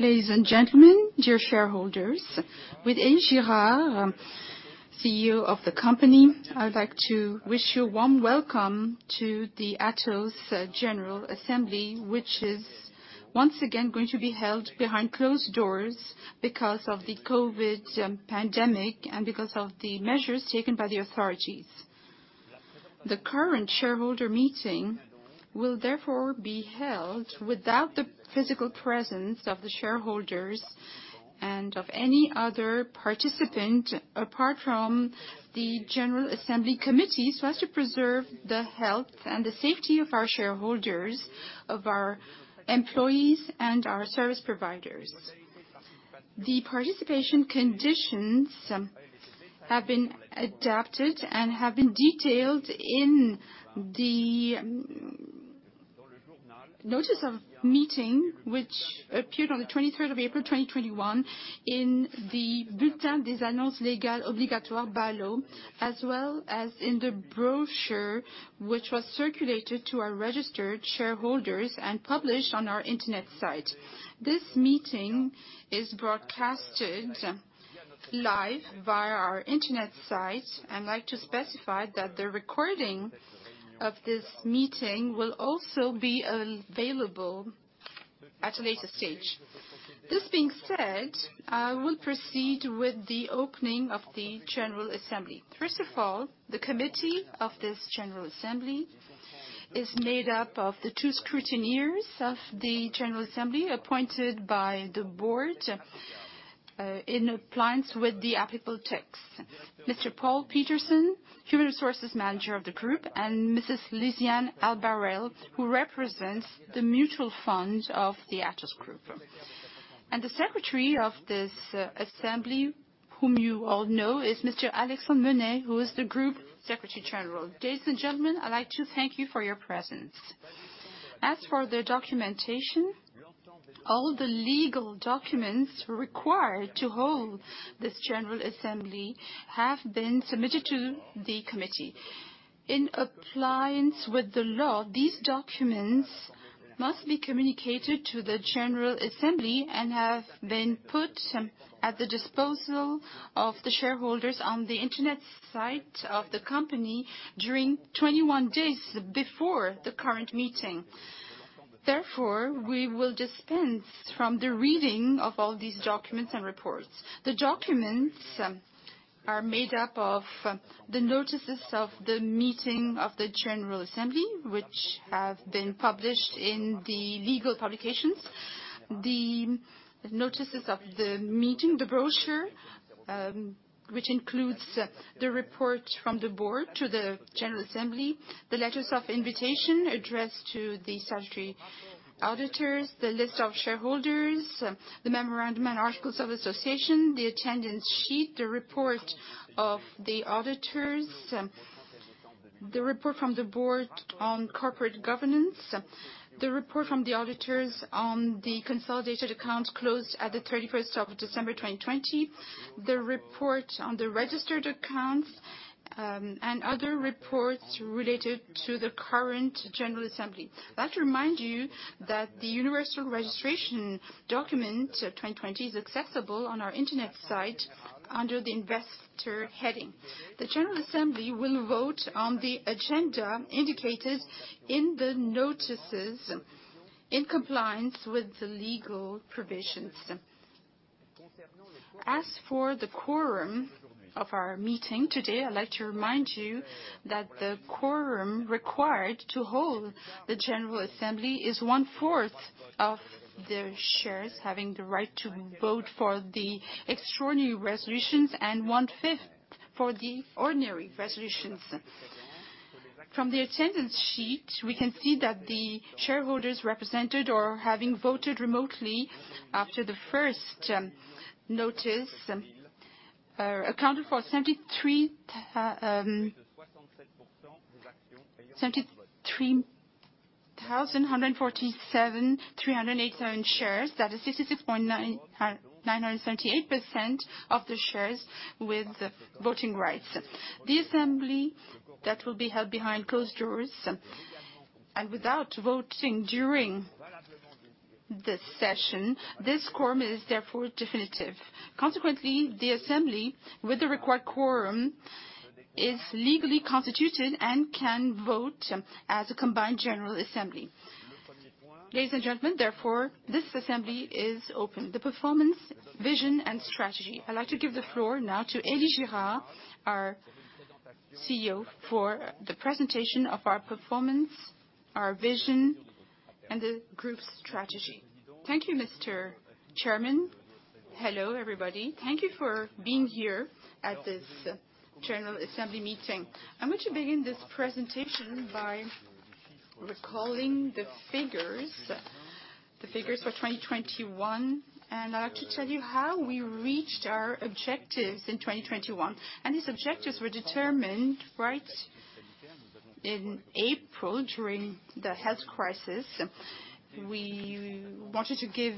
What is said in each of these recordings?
Ladies and gentlemen, dear shareholders, with Elie Girard, CEO of the company, I would like to wish you a warm welcome to the Atos General Assembly, which is once again going to be held behind closed doors because of the COVID pandemic and because of the measures taken by the authorities. The current shareholder meeting will therefore be held without the physical presence of the shareholders and of any other participant, apart from the General Assembly Committee, so as to preserve the health and the safety of our shareholders, of our employees, and our service providers. The participation conditions have been adapted and have been detailed in the notice of meeting, which appeared on the 23rd of April, 2021, in the Bulletin des Annonces Légales Obligatoires, BALO, as well as in the brochure, which was circulated to our registered shareholders and published on our internet site. This meeting is broadcasted live via our internet site. I'd like to specify that the recording of this meeting will also be available at a later stage. This being said, I will proceed with the opening of the General Assembly. First of all, the committee of this General Assembly is made up of the two scrutineers of the General Assembly, appointed by the board in accordance with the applicable texts. Mr. Paul Peterson, human resources manager of the group, and Mrs. Lysiane Ah-Vane-Khai, who represents the mutual fund of the Atos group. The secretary of this assembly, whom you all know, is Mr. Alexandre Menais, who is the group secretary general. Ladies and gentlemen, I'd like to thank you for your presence. As for the documentation, all the legal documents required to hold this general assembly have been submitted to the committee. In compliance with the law, these documents must be communicated to the general assembly, and have been put at the disposal of the shareholders on the internet site of the company during 21 days before the current meeting. Therefore, we will dispense from the reading of all these documents and reports. The documents are made up of the notices of the meeting of the general assembly, which have been published in the legal publications. The notices of the meeting, the brochure, which includes the report from the board to the general assembly, the letters of invitation addressed to the statutory auditors, the list of shareholders, the memorandum and articles of association, the attendance sheet, the report of the auditors, the report from the board on corporate governance, the report from the auditors on the consolidated accounts closed at the 31st of December 2020, the report on the registered accounts, and other reports related to the current general assembly. I'd like to remind you that the Universal Registration Document of 2020 is accessible on our internet site under the Investor heading. The general assembly will vote on the agenda indicated in the notices, in compliance with the legal provisions. As for the quorum of our meeting today, I'd like to remind you that the quorum required to hold the general assembly is one-fourth of the shares, having the right to vote for the extraordinary resolutions and one-fifth for the ordinary resolutions. From the attendance sheet, we can see that the shareholders represented or having voted remotely after the first notice accounted for 73,147,387 shares. That is 66.978% of the shares with voting rights. The assembly that will be held behind closed doors, and without voting during this session, this quorum is therefore definitive. Consequently, the assembly, with the required quorum, is legally constituted and can vote as a combined general assembly. Ladies and gentlemen, therefore, this assembly is open. The performance, vision, and strategy. I'd like to give the floor now to Elie Girard, our CEO, for the presentation of our performance, our vision, and the group's strategy. Thank you, Mr. Chairman. Hello, everybody. Thank you for being here at this general assembly meeting. I'm going to begin this presentation by recalling the figures for 2021, and I'd like to tell you how we reached our objectives in 2021. And these objectives were determined in April, during the health crisis. We wanted to give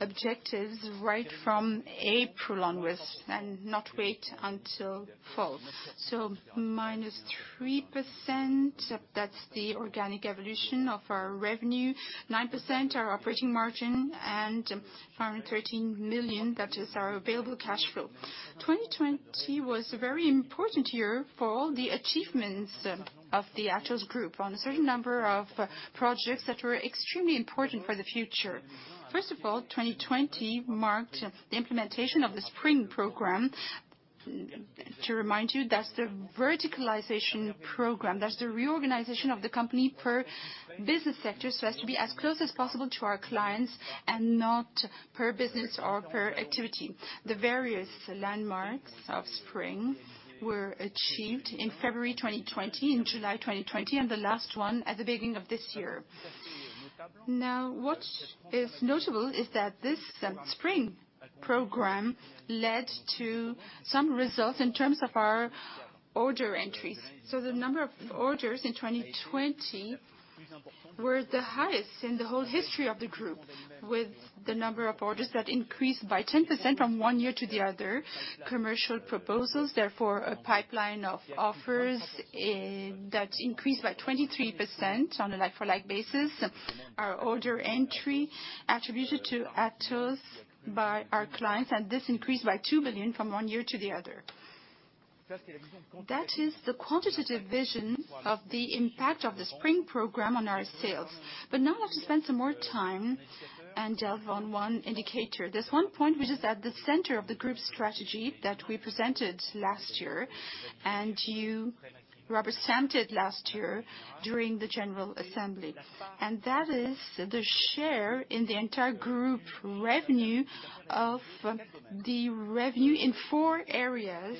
objectives right from April onwards and not wait until fall. So minus 3%, that's the organic evolution of our revenue, 9% our operating margin, and 113 million, that is our available cash flow. 2020 was a very important year for all the achievements of the Atos group on a certain number of projects that were extremely important for the future. First of all, 2020 marked the implementation of the Spring program. To remind you, that's the verticalization program. That's the reorganization of the company per business sector, so as to be as close as possible to our clients, and not per business or per activity. The various landmarks of Spring were achieved in February 2020, in July 2020, and the last one at the beginning of this year. Now, what is notable is that this Spring program led to some results in terms of our order entries. The number of orders in 2020 were the highest in the whole history of the group, with the number of orders that increased by 10% from one year to the other. Commercial proposals, therefore, a pipeline of offers that increased by 23% on a like-for-like basis. Our order entry attributed to Atos by our clients, and this increased by 2 billion from one year to the other. That is the quantitative vision of the impact of the Spring program on our sales. But now I want to spend some more time and delve on one indicator. There's one point which is at the center of the group strategy that we presented last year, and you represented last year during the general assembly, and that is the share in the entire group revenue of the revenue in four areas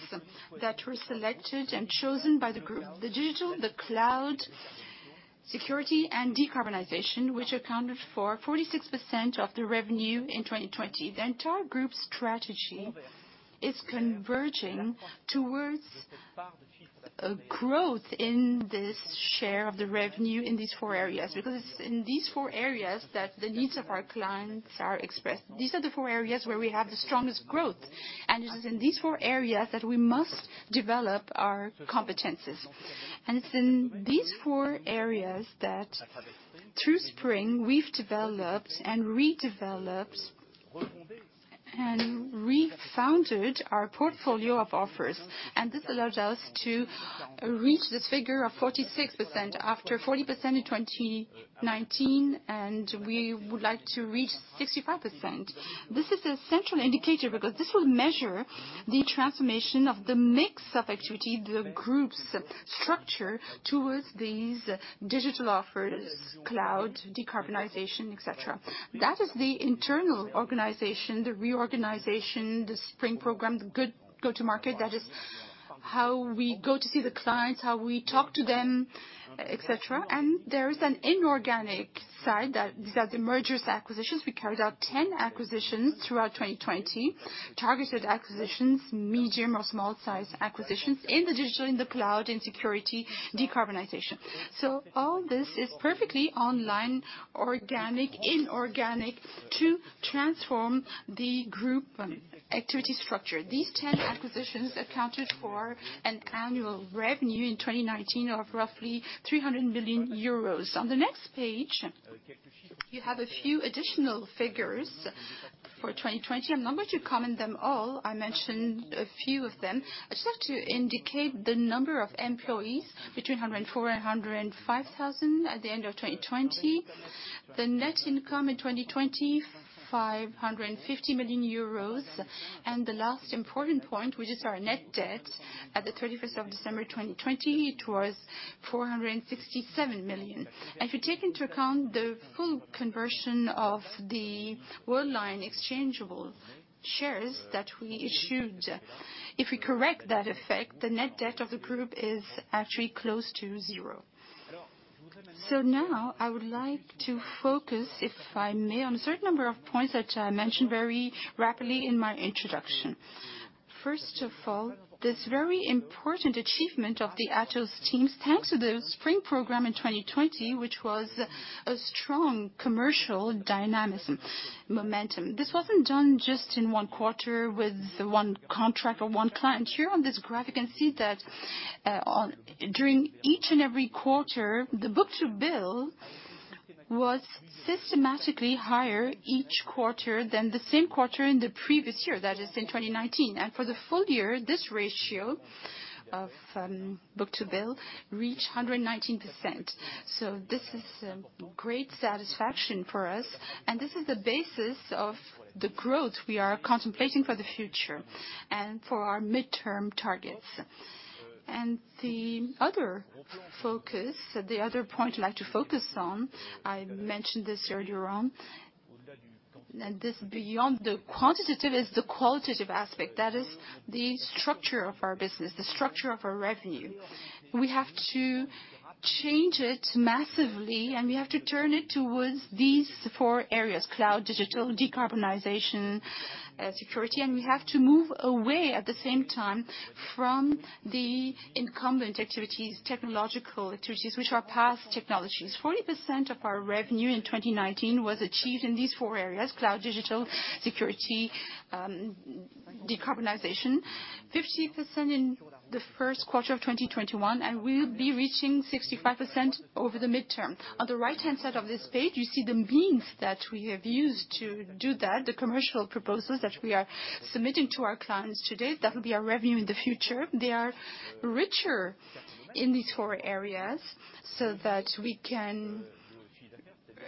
that were selected and chosen by the group. The digital, the cloud, security, and decarbonization, which accounted for 46% of the revenue in 2020. The entire group's strategy is converging towards a growth in this share of the revenue in these four areas, because it's in these four areas that the needs of our clients are expressed. These are the four areas where we have the strongest growth, and it is in these four areas that we must develop our competencies. It's in these four areas that through Spring, we've developed and redeveloped and refounded our portfolio of offers, and this allowed us to reach this figure of 46% after 40% in 2019, and we would like to reach 65%. This is a central indicator, because this will measure the transformation of the mix of activity, the group's structure, towards these digital offers, cloud, decarbonization, et cetera. That is the internal organization, the reorganization, the Spring program, the good go-to market. That is how we go to see the clients, how we talk to them, et cetera. And there is an inorganic side, that is that the mergers, acquisitions. We carried out 10 acquisitions throughout 2020. Targeted acquisitions, medium or small-sized acquisitions in the digital, in the cloud, in security, decarbonization. All this is perfectly online, organic, inorganic, to transform the group activity structure. These ten acquisitions accounted for an annual revenue in 2019 of roughly 300 million euros. On the next page, you have a few additional figures for 2020. I'm not going to comment them all. I mentioned a few of them. I just like to indicate the number of employees between 104 and 105 thousand at the end of 2020. The net income in 2020, 550 million euros. And the last important point, which is our net debt at the 31st of December 2020, it was 467 million. If you take into account the full conversion of the Worldline exchangeable shares that we issued, if we correct that effect, the net debt of the group is actually close to zero. So now I would like to focus, if I may, on a certain number of points that I mentioned very rapidly in my introduction. First of all, this very important achievement of the Atos teams, thanks to the Spring program in 2020, which was a strong commercial dynamism, momentum. This wasn't done just in one quarter with one contract or one client. Here on this graph, you can see that during each and every quarter, the book-to-bill was systematically higher each quarter than the same quarter in the previous year, that is, in 2019. And for the full year, this ratio of book-to-bill reached 119%. So this is great satisfaction for us, and this is the basis of the growth we are contemplating for the future and for our midterm targets. The other focus, the other point I'd like to focus on, I mentioned this earlier on, and this, beyond the quantitative, is the qualitative aspect. That is the structure of our business, the structure of our revenue. We have to change it massively, and we have to turn it towards these four areas: cloud, digital, decarbonization, security. And we have to move away, at the same time, from the incumbent activities, technological activities, which are past technologies. 40% of our revenue in 2019 was achieved in these four areas, cloud, digital, security, decarbonization. 50% in the first quarter of 2021, and we'll be reaching 65% over the midterm. On the right-hand side of this page, you see the means that we have used to do that, the commercial proposals that we are submitting to our clients today. That will be our revenue in the future. They are richer in these four areas, so that we can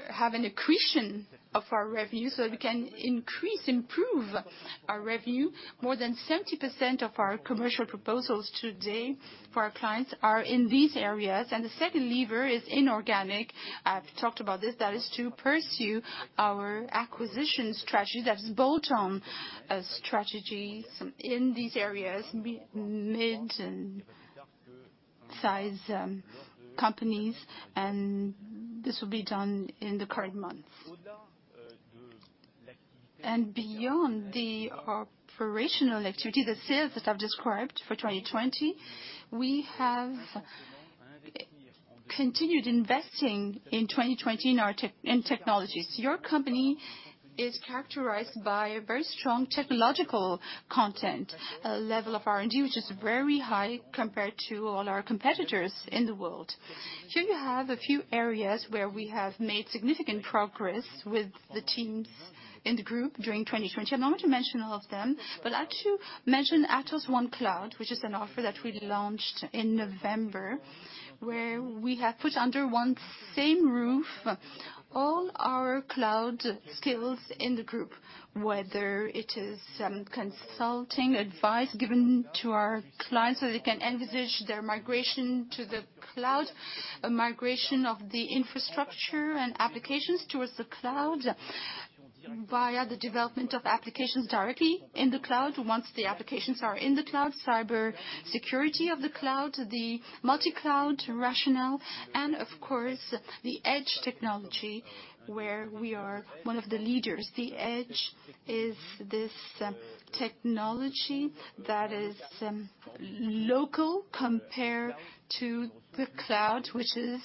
have an accretion of our revenue, so we can increase, improve our revenue. More than 70% of our commercial proposals today for our clients are in these areas, and the second lever is inorganic. I've talked about this. That is to pursue our acquisition strategy, that is bolt-on strategy in these areas, mid-size companies, and this will be done in the current months, and beyond the operational activity, the sales, as I've described for 2020, we have continued investing in 2020 in our technologies. Your company is characterized by a very strong technological content, a level of R&D, which is very high compared to all our competitors in the world. Here you have a few areas where we have made significant progress with the teams in the group during 2020. I'm not going to mention all of them, but I'd like to mention Atos OneCloud, which is an offer that we launched in November, where we have put under one same roof, all our cloud skills in the group. Whether it is, consulting advice given to our clients, so they can envisage their migration to the cloud, a migration of the infrastructure and applications towards the cloud, via the development of applications directly in the cloud. Once the applications are in the cloud, cybersecurity of the cloud, the multi-cloud rationale, and of course, the edge technology, where we are one of the leaders. The edge is this, technology that is, local compared to the cloud, which is,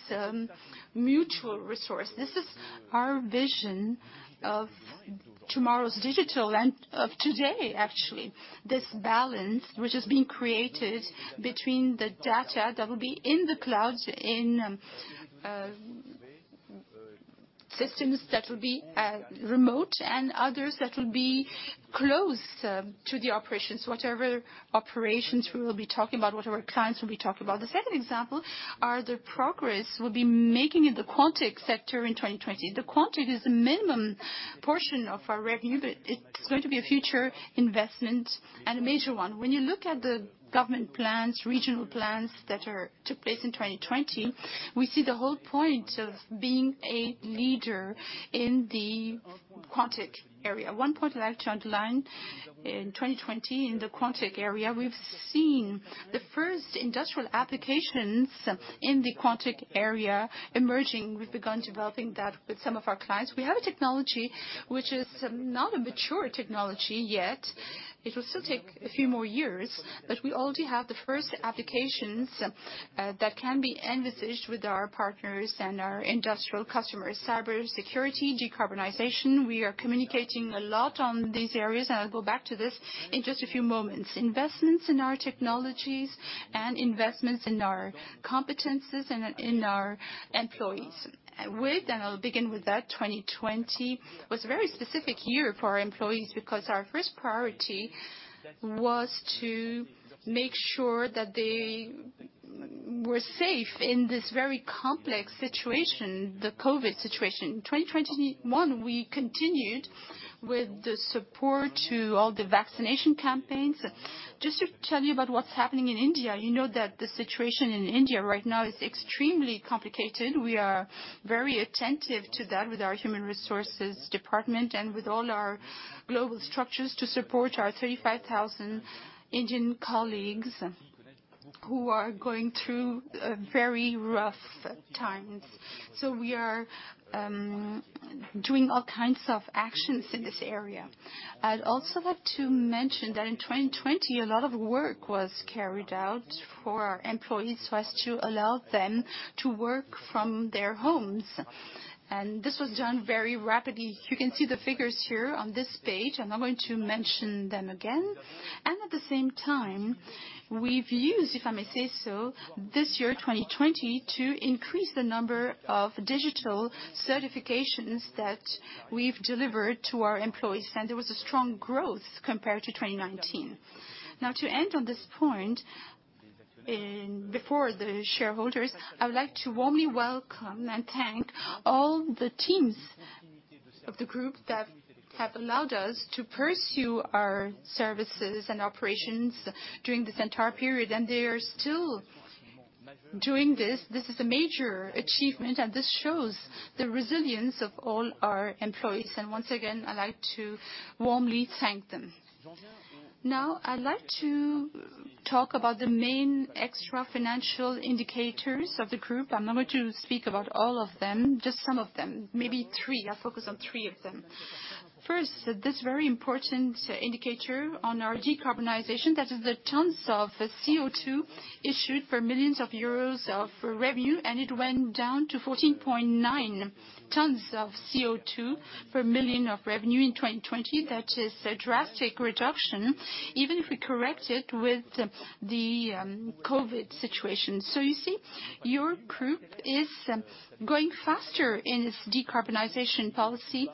mutual resource. This is our vision of tomorrow's digital and of today, actually. This balance, which is being created between the data that will be in the cloud, systems that will be remote, and others that will be close to the operations, whatever operations we will be talking about, whatever our clients will be talking about. The second example are the progress we'll be making in the Quantum sector in 2020. The Quantum is a minimum portion of our revenue, but it's going to be a future investment and a major one. When you look at the government plans, regional plans took place in 2020, we see the whole point of being a leader in the Quantum area. One point that I've turned the line in 2020 in the Quantum area, we've seen the first industrial applications in the Quantum area emerging. We've begun developing that with some of our clients. We have a technology which is not a mature technology yet. It will still take a few more years, but we already have the first applications that can be envisaged with our partners and our industrial customers. Cybersecurity, decarbonization, we are communicating a lot on these areas, and I'll go back to this in just a few moments. Investments in our technologies and investments in our competencies and in our employees. With, and I'll begin with that, 2020 was a very specific year for our employees because our first priority was to make sure that they were safe in this very complex situation, the COVID situation. In 2021, we continued with the support to all the vaccination campaigns. Just to tell you about what's happening in India, you know that the situation in India right now is extremely complicated. We are very attentive to that with our human resources department and with all our global structures to support our 35,000 Indian colleagues, who are going through a very rough times. So we are doing all kinds of actions in this area. I'd also like to mention that in 2020, a lot of work was carried out for our employees, so as to allow them to work from their homes. This was done very rapidly. You can see the figures here on this page, I'm not going to mention them again. And at the same time, we've used, if I may say so, this year, 2020, to increase the number of digital certifications that we've delivered to our employees, and there was a strong growth compared to 2019. Now, to end on this point, before the shareholders, I would like to warmly welcome and thank all the teams of the group that have allowed us to pursue our services and operations during this entire period, and they are still doing this. This is a major achievement, and this shows the resilience of all our employees. And once again, I'd like to warmly thank them. Now, I'd like to talk about the main extrafinancial indicators of the group. I'm not going to speak about all of them, just some of them, maybe three. I'll focus on three of them. First, this very important indicator on our decarbonization, that is the tons of CO2 emitted per million euros of revenue, and it went down to 14.9 tons of CO2 per million euros of revenue in 2020. That is a drastic reduction, even if we correct it with the COVID situation. So you see, your group is going faster in its decarbonization policy,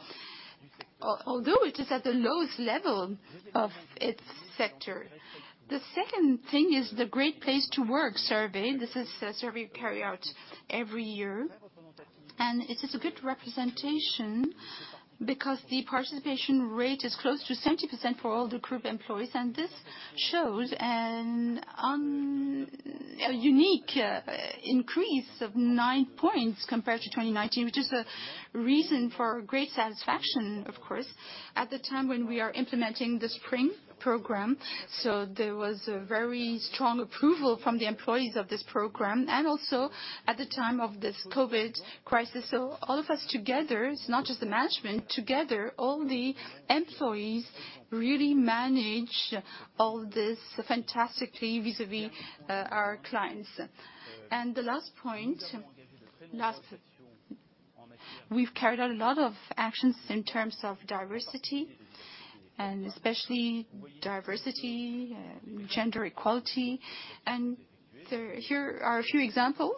although it is at the lowest level of its sector. The second thing is the Great Place to Work survey. This is a survey we carry out every year, and it is a good representation because the participation rate is close to 70% for all the group employees, and this shows a unique increase of 9 points compared to 2019, which is a reason for great satisfaction, of course, at the time when we are implementing the SPRING program. So there was a very strong approval from the employees of this program, and also at the time of this COVID crisis. All of us together, it's not just the management. Together, all the employees really manage all this fantastically vis-à-vis our clients. And the last point, we've carried out a lot of actions in terms of diversity, and especially diversity, gender equality. And here are a few examples.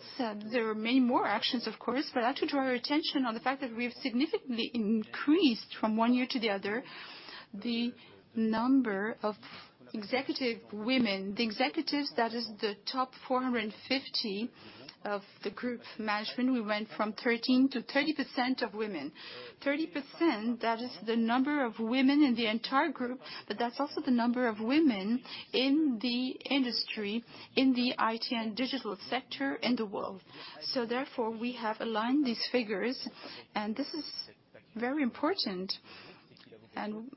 There are many more actions, of course, but I'd like to draw your attention on the fact that we've significantly increased from one year to the other, the number of executive women. The executives, that is the top 450 of the group management, we went from 13%-30% of women. 30%, that is the number of women in the entire group, but that's also the number of women in the industry, in the IT and digital sector in the world. So therefore, we have aligned these figures, and this is very important. And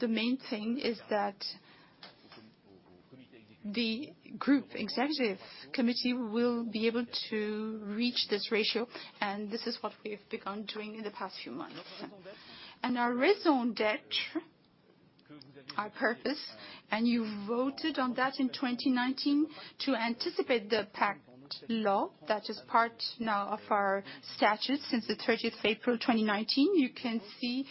the main thing is that the group executive committee will be able to reach this ratio, and this is what we have begun doing in the past few months. And our raison d'être, our purpose, and you voted on that in 2019 to anticipate the PACTE law. That is part now of our statute since the 30th of April, 2019. You can see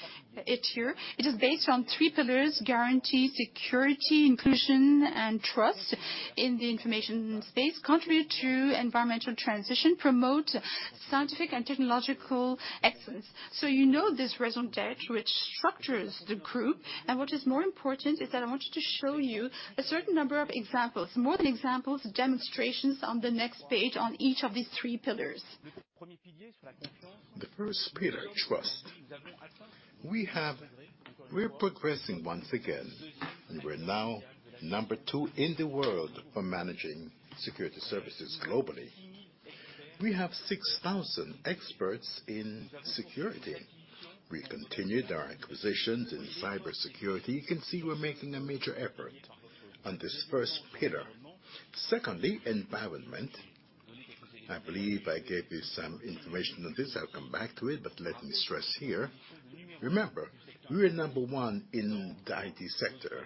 it here. It is based on three pillars: guarantee, security, inclusion, and trust in the information space, contribute to environmental transition, promote scientific and technological excellence. So you know this raison d'être, which structures the group, and what is more important is that I wanted to show you a certain number of examples, more than examples, demonstrations on the next page on each of these three pillars. The first pillar, trust. We have, we're progressing once again, and we're now number two in the world for managing security services globally. We have six thousand experts in security. We continued our acquisitions in cybersecurity. You can see we're making a major effort on this first pillar. Secondly, environment. I believe I gave you some information on this. I'll come back to it, but let me stress here. Remember, we are number one in the IT sector,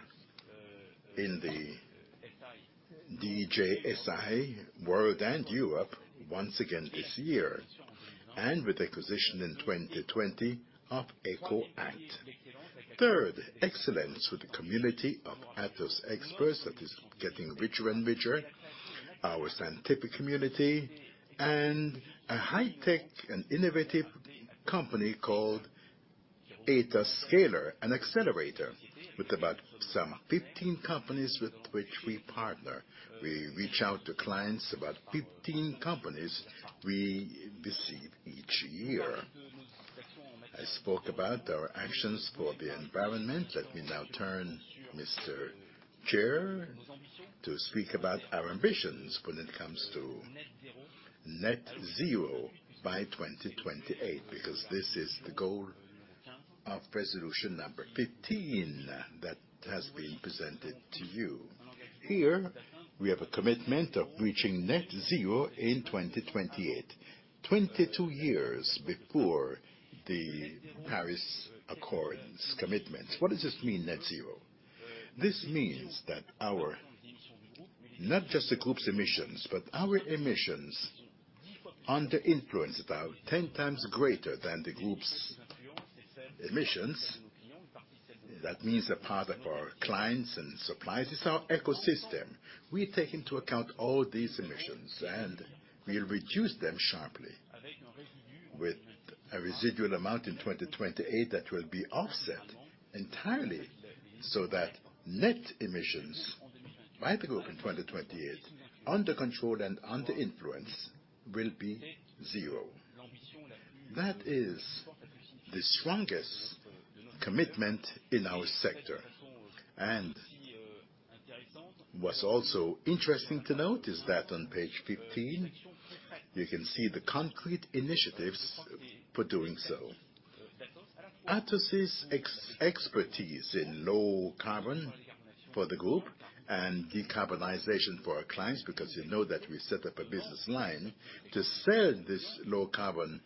in the DJSI World and Europe once again this year, and with acquisition in 2020 of EcoAct. Third, excellence with the community of Atos experts, that is getting richer and richer, our scientific community, and a high-tech and innovative company called Atos Scaler, an accelerator with about some fifteen companies with which we partner. We reach out to clients, about 15 companies we receive each year. I spoke about our actions for the environment. Let me now turn to Mr. Chairman to speak about our ambitions when it comes to Net Zero by 2028, because this is the goal of resolution number 15 that has been presented to you. Here, we have a commitment of reaching Net Zero in 2028, 22 years before the Paris Accords commitments. What does this mean, Net Zero? This means that our, not just the group's emissions, but our emissions under influence, about 10 times greater than the group's emissions. That means a part of our clients and suppliers, it's our ecosystem. We take into account all these emissions, and we'll reduce them sharply with a residual amount in 2028 that will be offset entirely, so that net emissions by the group in 2028, under control and under influence, will be zero. That is the strongest commitment in our sector. What's also interesting to note is that on page fifteen, you can see the concrete initiatives for doing so. Atos' expertise in low carbon for the group and decarbonization for our clients, because you know that we set up a business line to sell this low carbon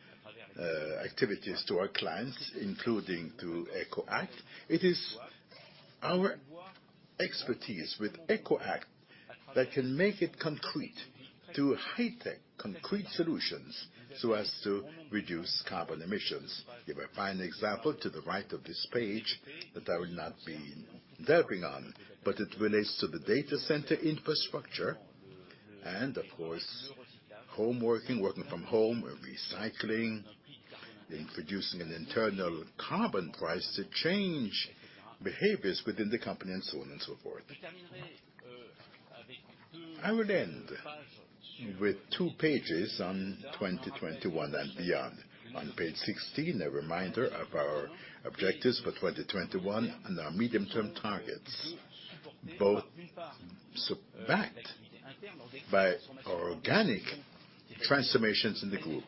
activities to our clients, including to EcoAct. It is our expertise with EcoAct that can make it concrete, to high-tech concrete solutions, so as to reduce carbon emissions. You will find an example to the right of this page, that I will not be delving on, but it relates to the data center infrastructure and, of course, home working, working from home and recycling, introducing an internal carbon price to change behaviors within the company, and so on, and so forth. I will end with two pages on 2021 and beyond. On page 16, a reminder of our objectives for 2021 and our medium-term targets, both backed by our organic transformations in the group,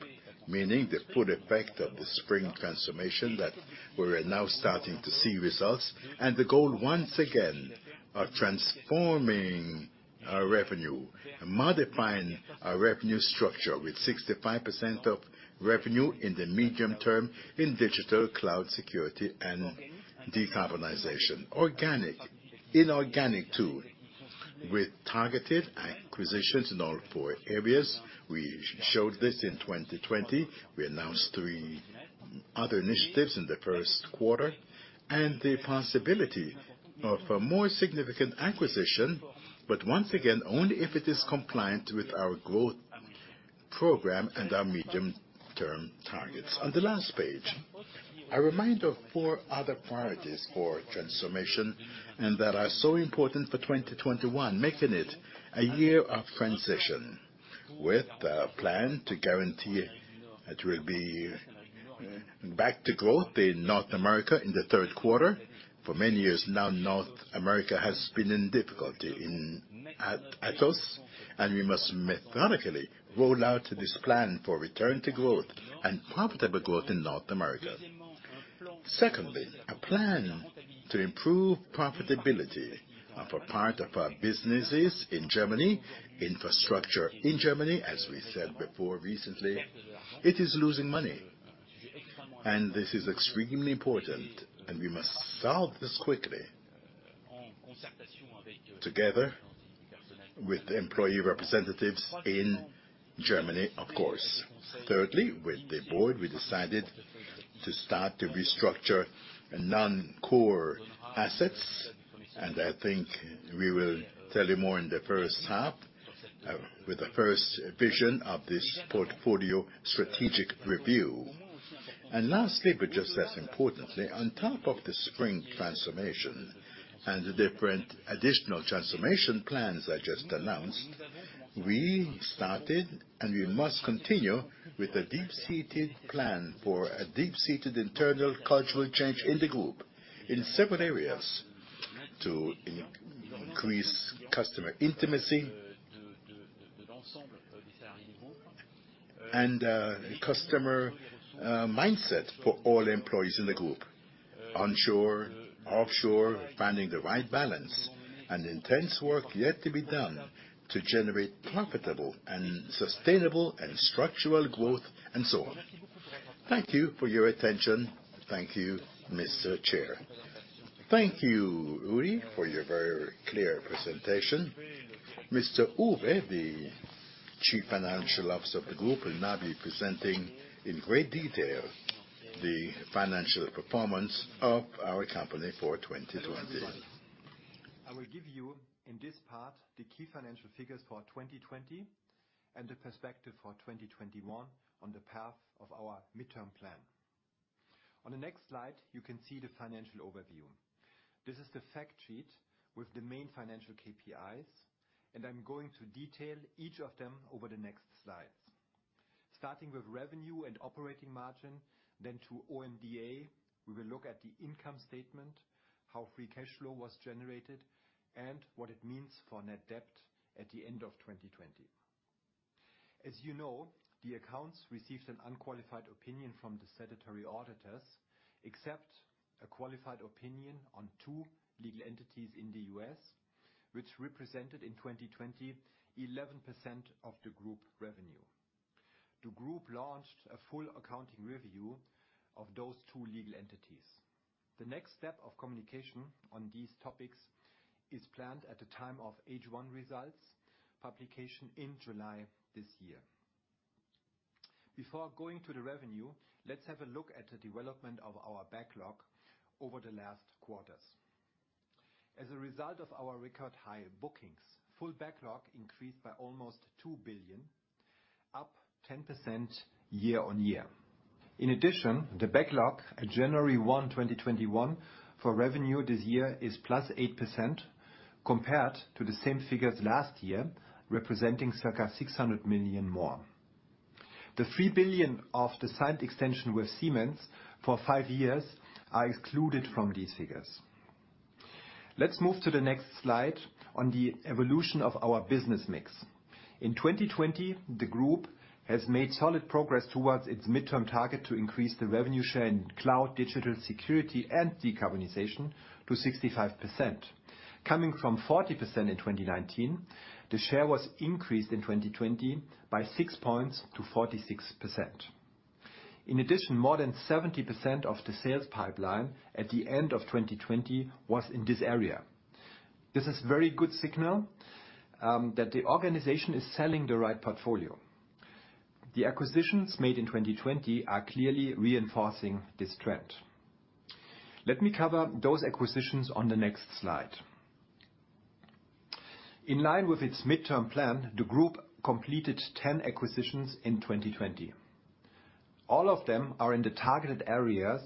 meaning the full effect of the Spring transformation that we're now starting to see results. And the goal, once again, are transforming our revenue and modifying our revenue structure with 65% of revenue in the medium term in digital, cloud, security, and decarbonization. Organic. Inorganic, too, with targeted acquisitions in all four areas. We showed this in 2020. We announced three other initiatives in the first quarter, and the possibility of a more significant acquisition, but once again, only if it is compliant with our growth program and our medium-term targets. On the last page, a reminder of four other priorities for transformation, and that are so important for 2021, making it a year of transition, with a plan to guarantee it will be back to growth in North America in the third quarter. For many years now, North America has been in difficulty in Atos, and we must methodically roll out this plan for return to growth and profitable growth in North America. Secondly, a plan to improve profitability of a part of our businesses in Germany, infrastructure in Germany, as we said before recently, it is losing money. This is extremely important, and we must solve this quickly, together with the employee representatives in Germany, of course. Thirdly, with the board, we decided to start to restructure non-core assets, and I think we will tell you more in the first half, with the first vision of this portfolio strategic review, and lastly, but just as importantly, on top of the Spring transformation and the different additional transformation plans I just announced, we started, and we must continue, with a deep-seated plan for a deep-seated internal cultural change in the group, in several areas, to increase customer intimacy and, customer, mindset for all employees in the group, onshore, offshore, finding the right balance, and intense work yet to be done to generate profitable and sustainable and structural growth, and so on. Thank you for your attention. Thank you, Mr. Chair. Thank you, Elie, for your very clear presentation. Mr. Uwe, the Chief Financial Officer of the Group, will now be presenting in great detail the financial performance of our company for 2020. Hello, everyone. I will give you, in this part, the key financial figures for 2020 and the perspective for 2021 on the path of our midterm plan. On the next slide, you can see the financial overview. This is the fact sheet with the main financial KPIs, and I'm going to detail each of them over the next slides. Starting with revenue and operating margin, then to EBITDA, we will look at the income statement, how free cash flow was generated, and what it means for net debt at the end of 2020. As you know, the accounts received an unqualified opinion from the statutory auditors, except a qualified opinion on two legal entities in the U.S., which represented, in 2020, 11% of the group revenue. The group launched a full accounting review of those two legal entities. The next step of communication on these topics is planned at the time of H1 results publication in July this year. Before going to the revenue, let's have a look at the development of our backlog over the last quarters. As a result of our record-high bookings, full backlog increased by almost two billion, up 10% year-on-year. In addition, the backlog at January 1, 2021 for revenue this year is plus 8% compared to the same figures last year, representing circa 600 million more. The three billion of the signed extension with Siemens for five years are excluded from these figures. Let's move to the next slide on the evolution of our business mix. In 2020, the group has made solid progress towards its midterm target to increase the revenue share in cloud, digital security, and decarbonization to 65%. Coming from 40% in 2019, the share was increased in 2020 by six points to 46%. In addition, more than 70% of the sales pipeline at the end of 2020 was in this area. This is very good signal that the organization is selling the right portfolio. The acquisitions made in 2020 are clearly reinforcing this trend. Let me cover those acquisitions on the next slide. In line with its midterm plan, the group completed 10 acquisitions in 2020. All of them are in the targeted areas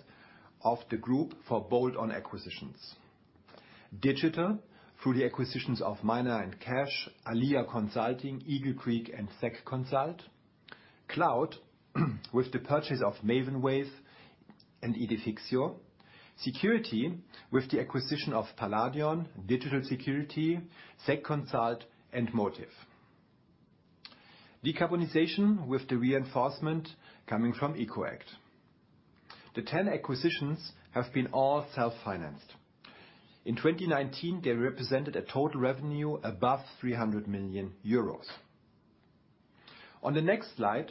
of the group for bolt-on acquisitions. Digital, through the acquisitions of Miner & Kasch, Alia Consulting, Eagle Creek, and SEC Consult. Cloud, with the purchase of Maven Wave and Edifixio. Security, with the acquisition of Paladion, Digital Security, SEC Consult, and Motiv. Decarbonization with the reinforcement coming from EcoAct. The ten acquisitions have been all self-financed. In 2019, they represented a total revenue above 300 million euros. On the next slide,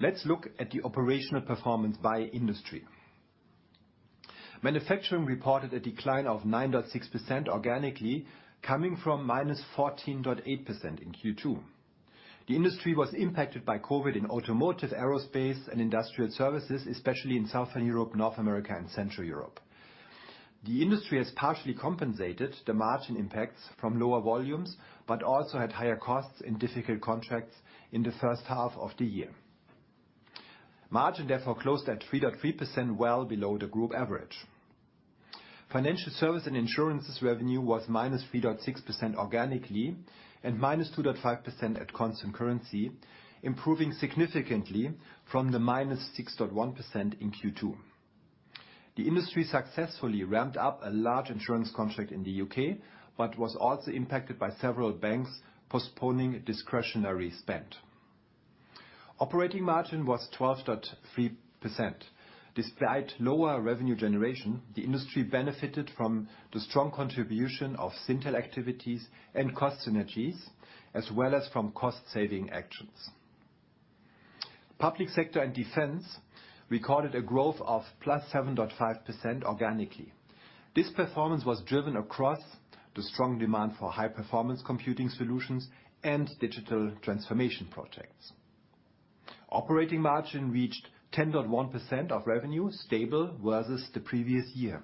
let's look at the operational performance by industry. Manufacturing reported a decline of 9.6% organically, coming from -14.8% in Q2. The industry was impacted by COVID in automotive, aerospace, and industrial services, especially in Southern Europe, North America, and Central Europe. The industry has partially compensated the margin impacts from lower volumes, but also had higher costs and difficult contracts in the first half of the year. Margin therefore closed at 3.3%, well below the group average. Financial services and insurance revenue was -3.6% organically, and -2.5% at constant currency, improving significantly from the -6.1% in Q2. The industry successfully ramped up a large insurance contract in the U.K., but was also impacted by several banks postponing discretionary spend. Operating margin was 12.3%. Despite lower revenue generation, the industry benefited from the strong contribution of Syntel activities and cost synergies, as well as from cost saving actions. Public sector and defense recorded a growth of +7.5% organically. This performance was driven across the strong demand for high performance computing solutions and digital transformation projects. Operating margin reached 10.1% of revenue, stable versus the previous year.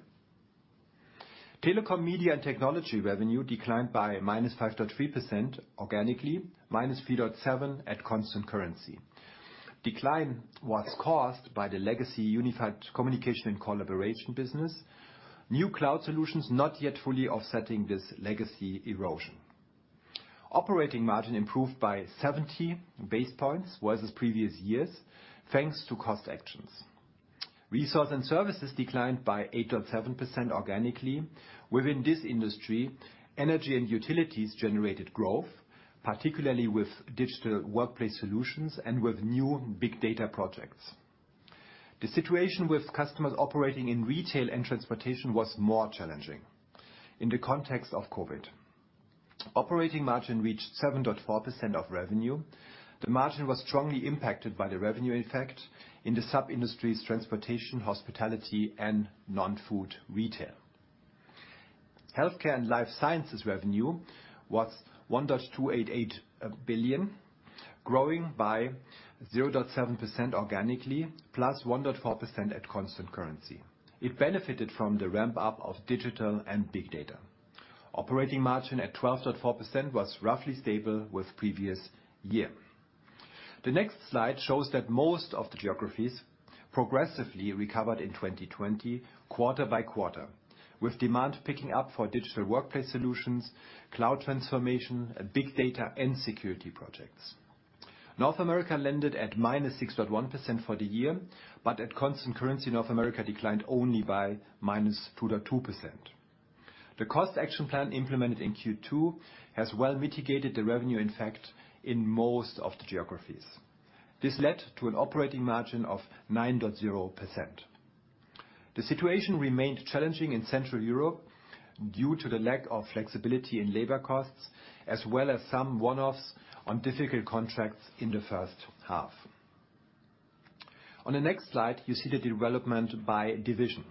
Telecom, media, and technology revenue declined by -5.3% organically, -3.7% at constant currency. Decline was caused by the legacy unified communication and collaboration business. New cloud solutions not yet fully offsetting this legacy erosion. Operating margin improved by 70 basis points versus previous years, thanks to cost actions. Resources and services declined by 8.7% organically. Within this industry, energy and utilities generated growth, particularly with digital workplace solutions and with new big data projects. The situation with customers operating in retail and transportation was more challenging in the context of COVID. Operating margin reached 7.4% of revenue. The margin was strongly impacted by the revenue effect in the sub-industries, transportation, hospitality, and non-food retail. Healthcare and life sciences revenue was 1.288 billion, growing by 0.7% organically, +1.4% at constant currency. It benefited from the ramp up of digital and big data. Operating margin at 12.4% was roughly stable with previous year. The next slide shows that most of the geographies progressively recovered in 2020, quarter by quarter, with demand picking up for digital workplace solutions, cloud transformation, and big data, and security projects. North America landed at -6.1% for the year, but at constant currency, North America declined only by -2.2%. The cost action plan implemented in Q2 has well mitigated the revenue impact in most of the geographies. This led to an operating margin of 9.0%. The situation remained challenging in Central Europe due to the lack of flexibility in labor costs, as well as some one-offs on difficult contracts in the first half. On the next slide, you see the development by division.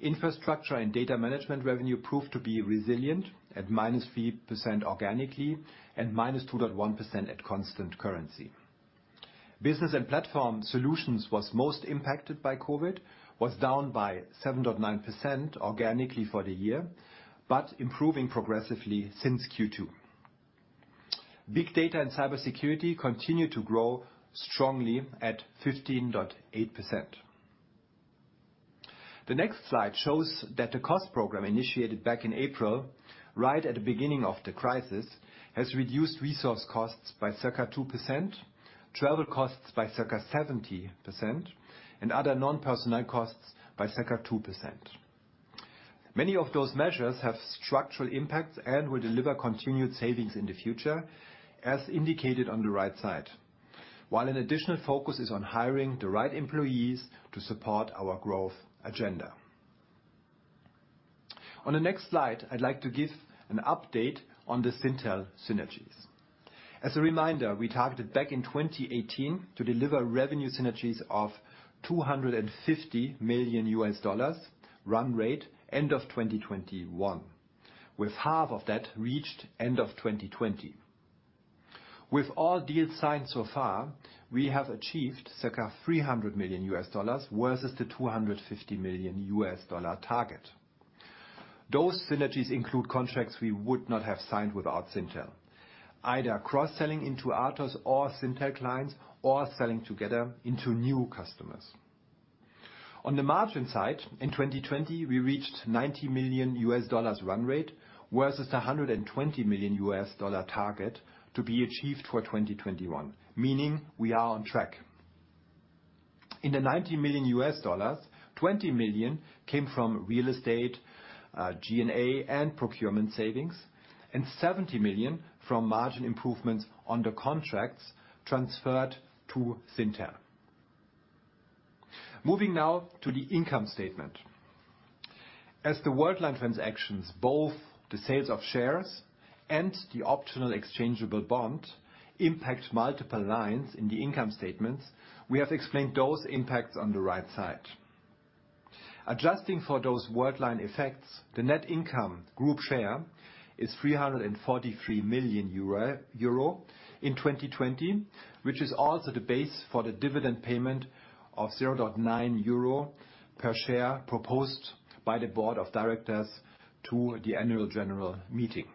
Infrastructure and data management revenue proved to be resilient at -3% organically and -2.1% at constant currency. Business and platform solutions was most impacted by COVID, was down by 7.9% organically for the year, but improving progressively since Q2. Big Data and cybersecurity continued to grow strongly at 15.8%. The next slide shows that the cost program initiated back in April, right at the beginning of the crisis, has reduced resource costs by circa 2%, travel costs by circa 70%, and other non-personnel costs by circa 2%. Many of those measures have structural impacts and will deliver continued savings in the future, as indicated on the right side. While an additional focus is on hiring the right employees to support our growth agenda. On the next slide, I'd like to give an update on the Syntel synergies. As a reminder, we targeted back in 2018 to deliver revenue synergies of $250 million run rate end of 2021, with $125 million of that reached end of 2020. With all deals signed so far, we have achieved circa $300 million versus the $250 million target. Those synergies include contracts we would not have signed without Syntel, either cross-selling into Atos or Syntel clients or selling together into new customers. On the margin side, in 2020, we reached $90 million run rate versus a $120 million target to be achieved for 2021, meaning we are on track. In the $90 million, $20 million came from real estate, G&A and procurement savings, and $70 million from margin improvements on the contracts transferred to Syntel. Moving now to the income statement. As the Worldline transactions, both the sales of shares and the optional exchangeable bond, impact multiple lines in the income statements, we have explained those impacts on the right side. Adjusting for those Worldline effects, the net income group share is 343 million euro in 2020, which is also the base for the dividend payment of 0.9 euro per share, proposed by the board of directors to the annual general meeting.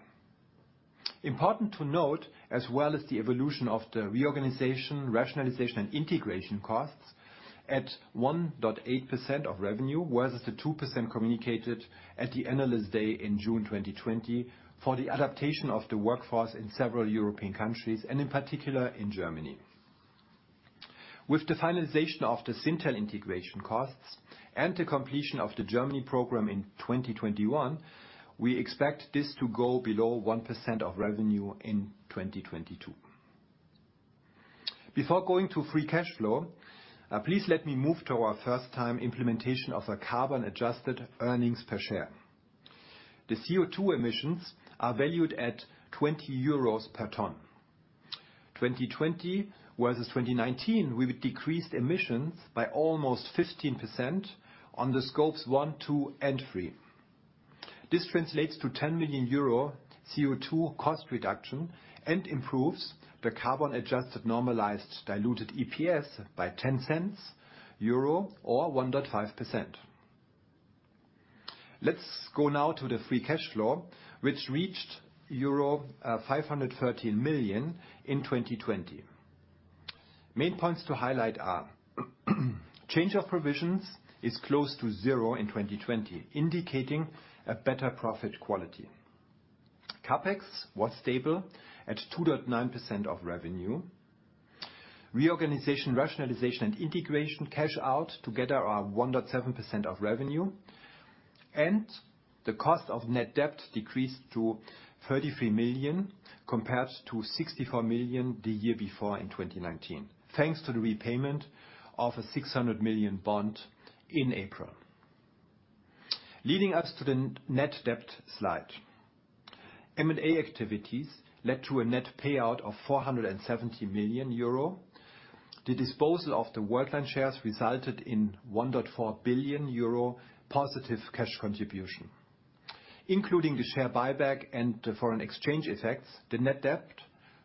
Important to note, as well as the evolution of the reorganization, rationalization, and integration costs at 1.8% of revenue, whereas the 2% communicated at the analyst day in June 2020 for the adaptation of the workforce in several European countries, and in particular in Germany. With the finalization of the Syntel integration costs and the completion of the Germany program in 2021, we expect this to go below 1% of revenue in 2022. Before going to free cash flow, please let me move to our first time implementation of a carbon-adjusted earnings per share. The CO2 emissions are valued at 20 euros per ton. 2020 versus 2019, we've decreased emissions by almost 15% on the scopes one, two, and three. This translates to 10 million euro CO2 cost reduction and improves the carbon-adjusted normalized diluted EPS by 0.10 or 1.5%. Let's go now to the free cash flow, which reached euro 513 million in 2020. Main points to highlight are: change of provisions is close to zero in 2020, indicating a better profit quality. CapEx was stable at 2.9% of revenue. Reorganization, rationalization, and integration cash out together are 1.7% of revenue, and the cost of net debt decreased to 33 million, compared to 64 million the year before in 2019, thanks to the repayment of a 600 million bond in April. Leading us to the net debt slide. M&A activities led to a net payout of 470 million euro. The disposal of the Worldline shares resulted in 1.4 billion euro positive cash contribution. Including the share buyback and the foreign exchange effects, the net debt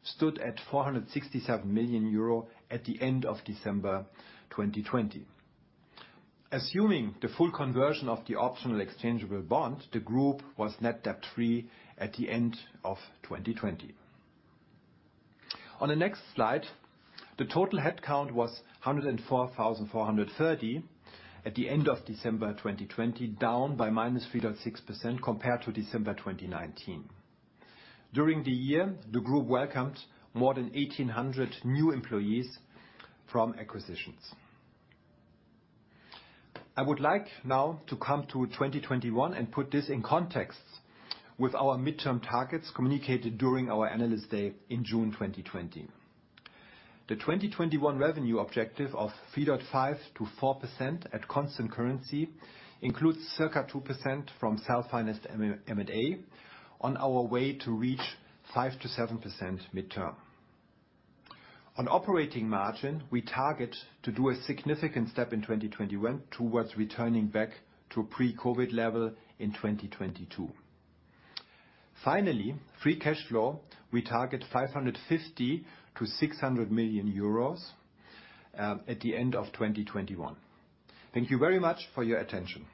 stood at 467 million euro at the end of December 2020. Assuming the full conversion of the optional exchangeable bond, the group was net debt-free at the end of 2020. On the next slide, the total headcount was 104,430 at the end of December 2020, down by -3.6% compared to December 2019. During the year, the group welcomed more than 1,800 new employees from acquisitions. I would like now to come to 2021 and put this in context with our mid-term targets communicated during our analyst day in June 2020. The 2021 revenue objective of 3.5%-4% at constant currency includes circa 2% from self-financed M&A on our way to reach 5%-7% mid-term. On operating margin, we target to do a significant step in 2021 towards returning back to pre-COVID level in 2022. Finally, free cash flow, we target 550 million-600 million euros at the end of 2021. Thank you very much for your attention.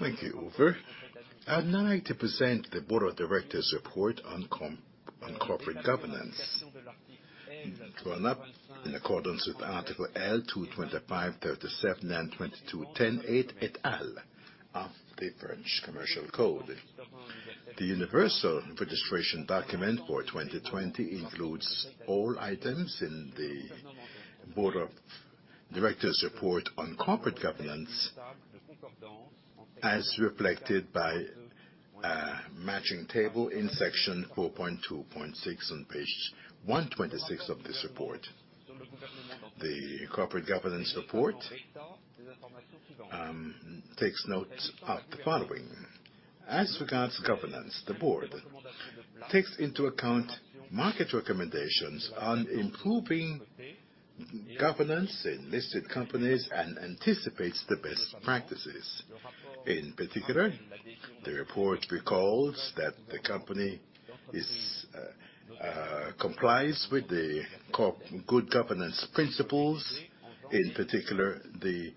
Thank you, Uwe. I'd now like to present the Board of Directors report on corporate governance. Drawn up in accordance with Article L. 225-37 and 22-10-8 et al. of the French Commercial Code. The universal registration document for 2020 includes all items in the Board of Directors report on corporate governance, as reflected by a matching table in section 4.2.6 on page 126 of this report. The corporate governance report takes note of the following: As regards governance, the board takes into account market recommendations on improving governance in listed companies and anticipates the best practices. In particular, the report recalls that the company complies with good governance principles, in particular, the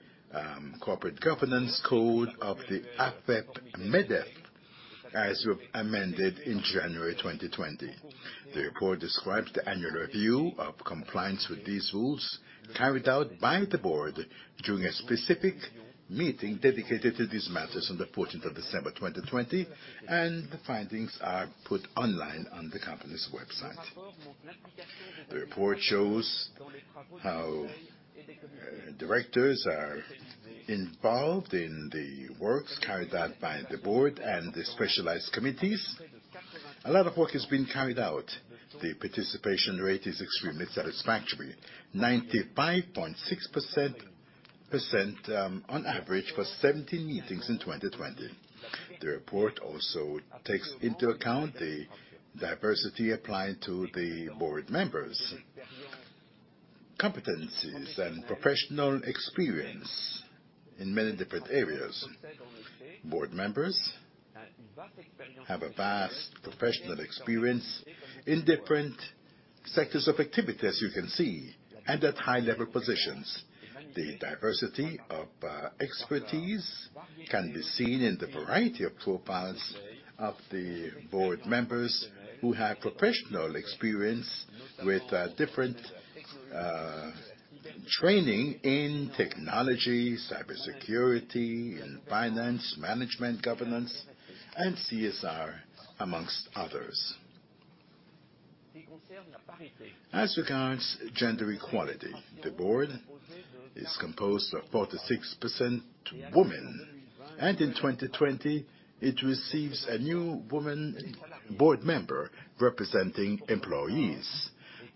corporate governance code of the AFEP-MEDEF, as amended in January 2020. The report describes the annual review of compliance with these rules carried out by the board during a specific meeting dedicated to these matters on the 14th of December 2020, and the findings are put online on the company's website. The report shows how directors are involved in the works carried out by the board and the specialized committees. A lot of work has been carried out. The participation rate is extremely satisfactory, 95.6%, on average, for 17 meetings in 2020. The report also takes into account the diversity applied to the board members, competencies, and professional experience in many different areas. Board members have a vast professional experience in different sectors of activity, as you can see, and at high-level positions. The diversity of expertise can be seen in the variety of profiles of the board members who have professional experience with different training in technology, cybersecurity, in finance, management, governance, and CSR, amongst others. As regards gender equality, the board is composed of 46% women, and in 2020, it receives a new woman board member representing employees.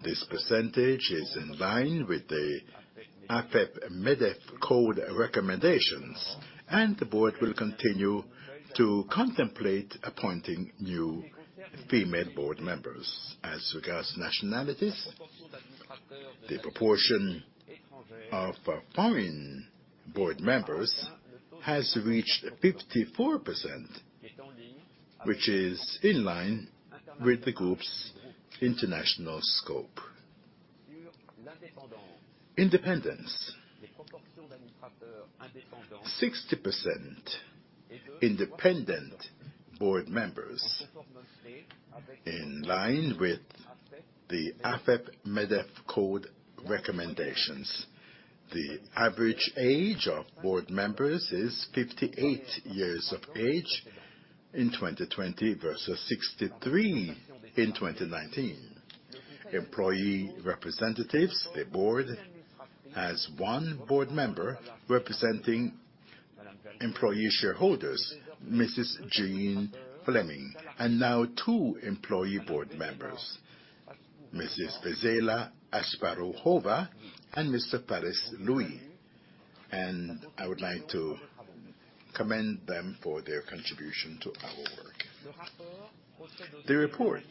This percentage is in line with the AFEP-MEDEF Code recommendations, and the board will continue to contemplate appointing new female board members. As regards nationalities, the proportion of foreign board members has reached 54%, which is in line with the group's international scope. Independence. 60% independent board members in line with the AFEP-MEDEF Code recommendations. The average age of board members is 58 years of age in 2020, versus 63 in 2019. Employee representatives, the board has one board member representing employee shareholders, Mrs. Jean Fleming, and now two employee board members, Mrs. Vesela Asparuhova and Mr. Louis Paris, and I would like to commend them for their contribution to our work. The report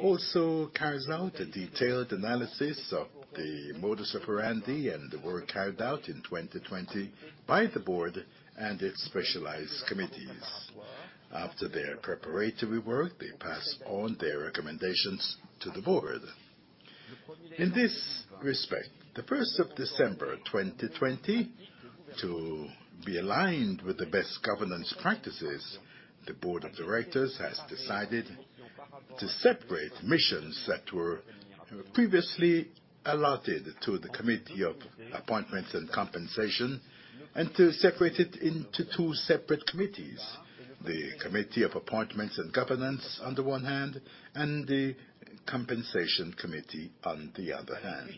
also carries out a detailed analysis of the modus operandi and the work carried out in 2020 by the board and its specialized committees. After their preparatory work, they pass on their recommendations to the board. In this respect, the 1st of December 2020, to be aligned with the best governance practices, the board of directors has decided to separate missions that were previously allotted to the Committee of Appointments and Compensation, and to separate it into two separate committees. The Committee of Appointments and Governance, on the one hand, and the Compensation Committee on the other hand.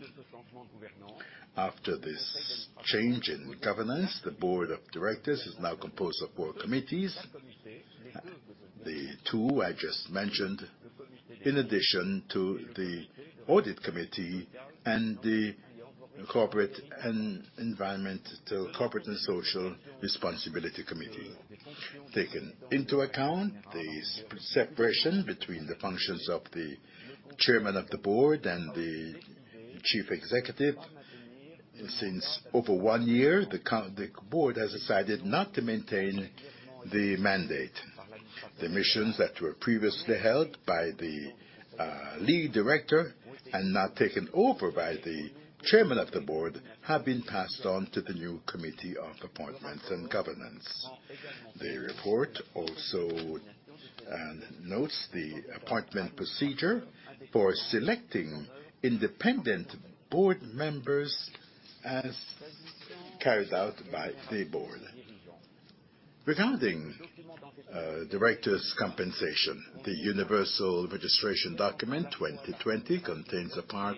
After this change in governance, the board of directors is now composed of four committees. The two I just mentioned, in addition to the Audit Committee and the Corporate and Environment... Corporate and Social Responsibility Committee. Taken into account, the separation between the functions of the chairman of the board and the chief executive. Since over one year, the board has decided not to maintain the mandate. The missions that were previously held by the lead director and now taken over by the chairman of the board, have been passed on to the new committee of appointments and governance. The report also notes the appointment procedure for selecting independent board members as carried out by the board. Regarding director's compensation, the Universal Registration Document 2020 contains a part,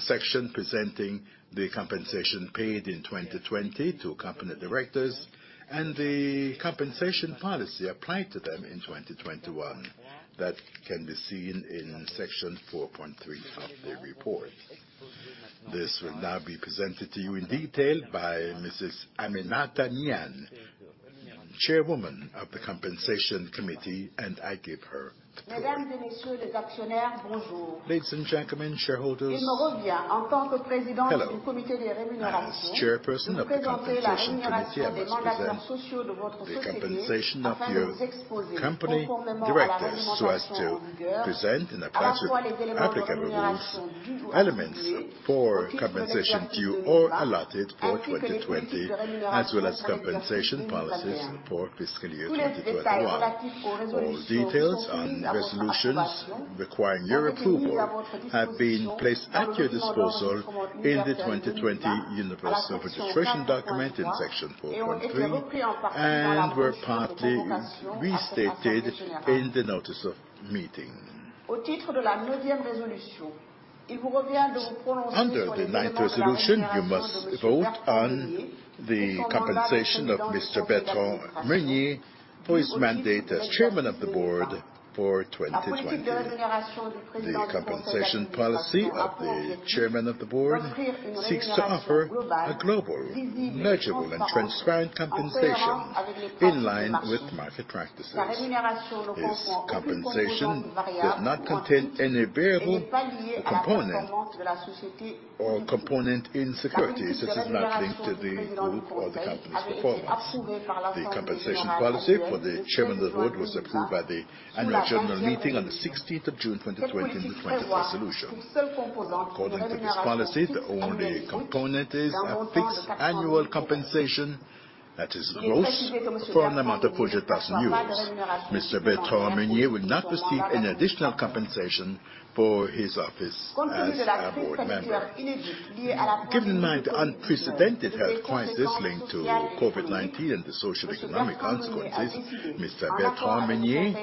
section presenting the compensation paid in 2020 to company directors, and the compensation policy applied to them in 2021. That can be seen in section four point three of the report. This will now be presented to you in detail by Mrs. Aminata Niane, chairwoman of the Compensation Committee, and I give her the floor. Ladies and gentlemen, shareholders, hello. As chairperson of the Compensation Committee, I must present the compensation of the company directors, so as to present in accordance with applicable rules, elements for compensation due or allotted for 2020, as well as compensation policies for fiscal year 2021. All details on resolutions requiring your approval have been placed at your disposal in the 2020 Universal Registration Document in section four point three, and were partly restated in the notice of meeting. Under the ninth resolution, you must vote on the compensation of Mr. Bertrand Meunier for his mandate as Chairman of the Board for 2020. The compensation policy of the Chairman of the Board seeks to offer a global, measurable, and transparent compensation in line with market practices. This compensation does not contain any variable, or component in securities that is not linked to the group or the company's performance. The compensation policy for the Chairman of the Board was approved by the annual general meeting on the 16th of June, 2020, in the 21st resolution. According to this policy, the only component is a fixed annual compensation that is gross for an amount of 40,000 euros. Mr. Bertrand Meunier will not receive any additional compensation for his office as a board member. Given the unprecedented health crisis linked to COVID-19 and the social economic consequences, Mr. Bertrand Meunier,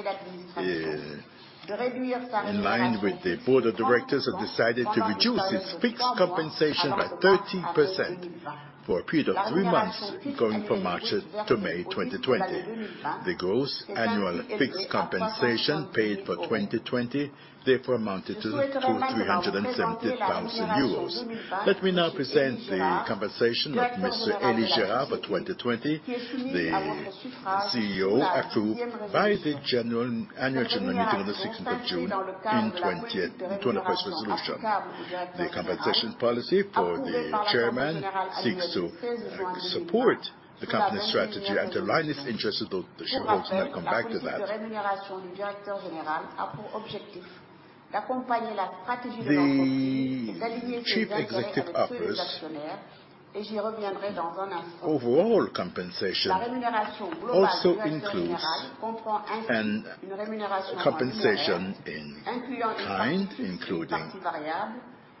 in line with the board of directors, have decided to reduce his fixed compensation by 30% for a period of three months, going from March to May 2020. The gross annual fixed compensation paid for 2020 therefore amounted to 370,000 euros. Let me now present the compensation of Mr. Elie Girard for 2020, the CEO, as voted by the annual general meeting on the 16th of June in 2021 resolution. The compensation policy for the chairman seeks to support the company's strategy and align his interests with the shareholders. I'll come back to that. The chief executive officer's overall compensation also includes compensation in kind, including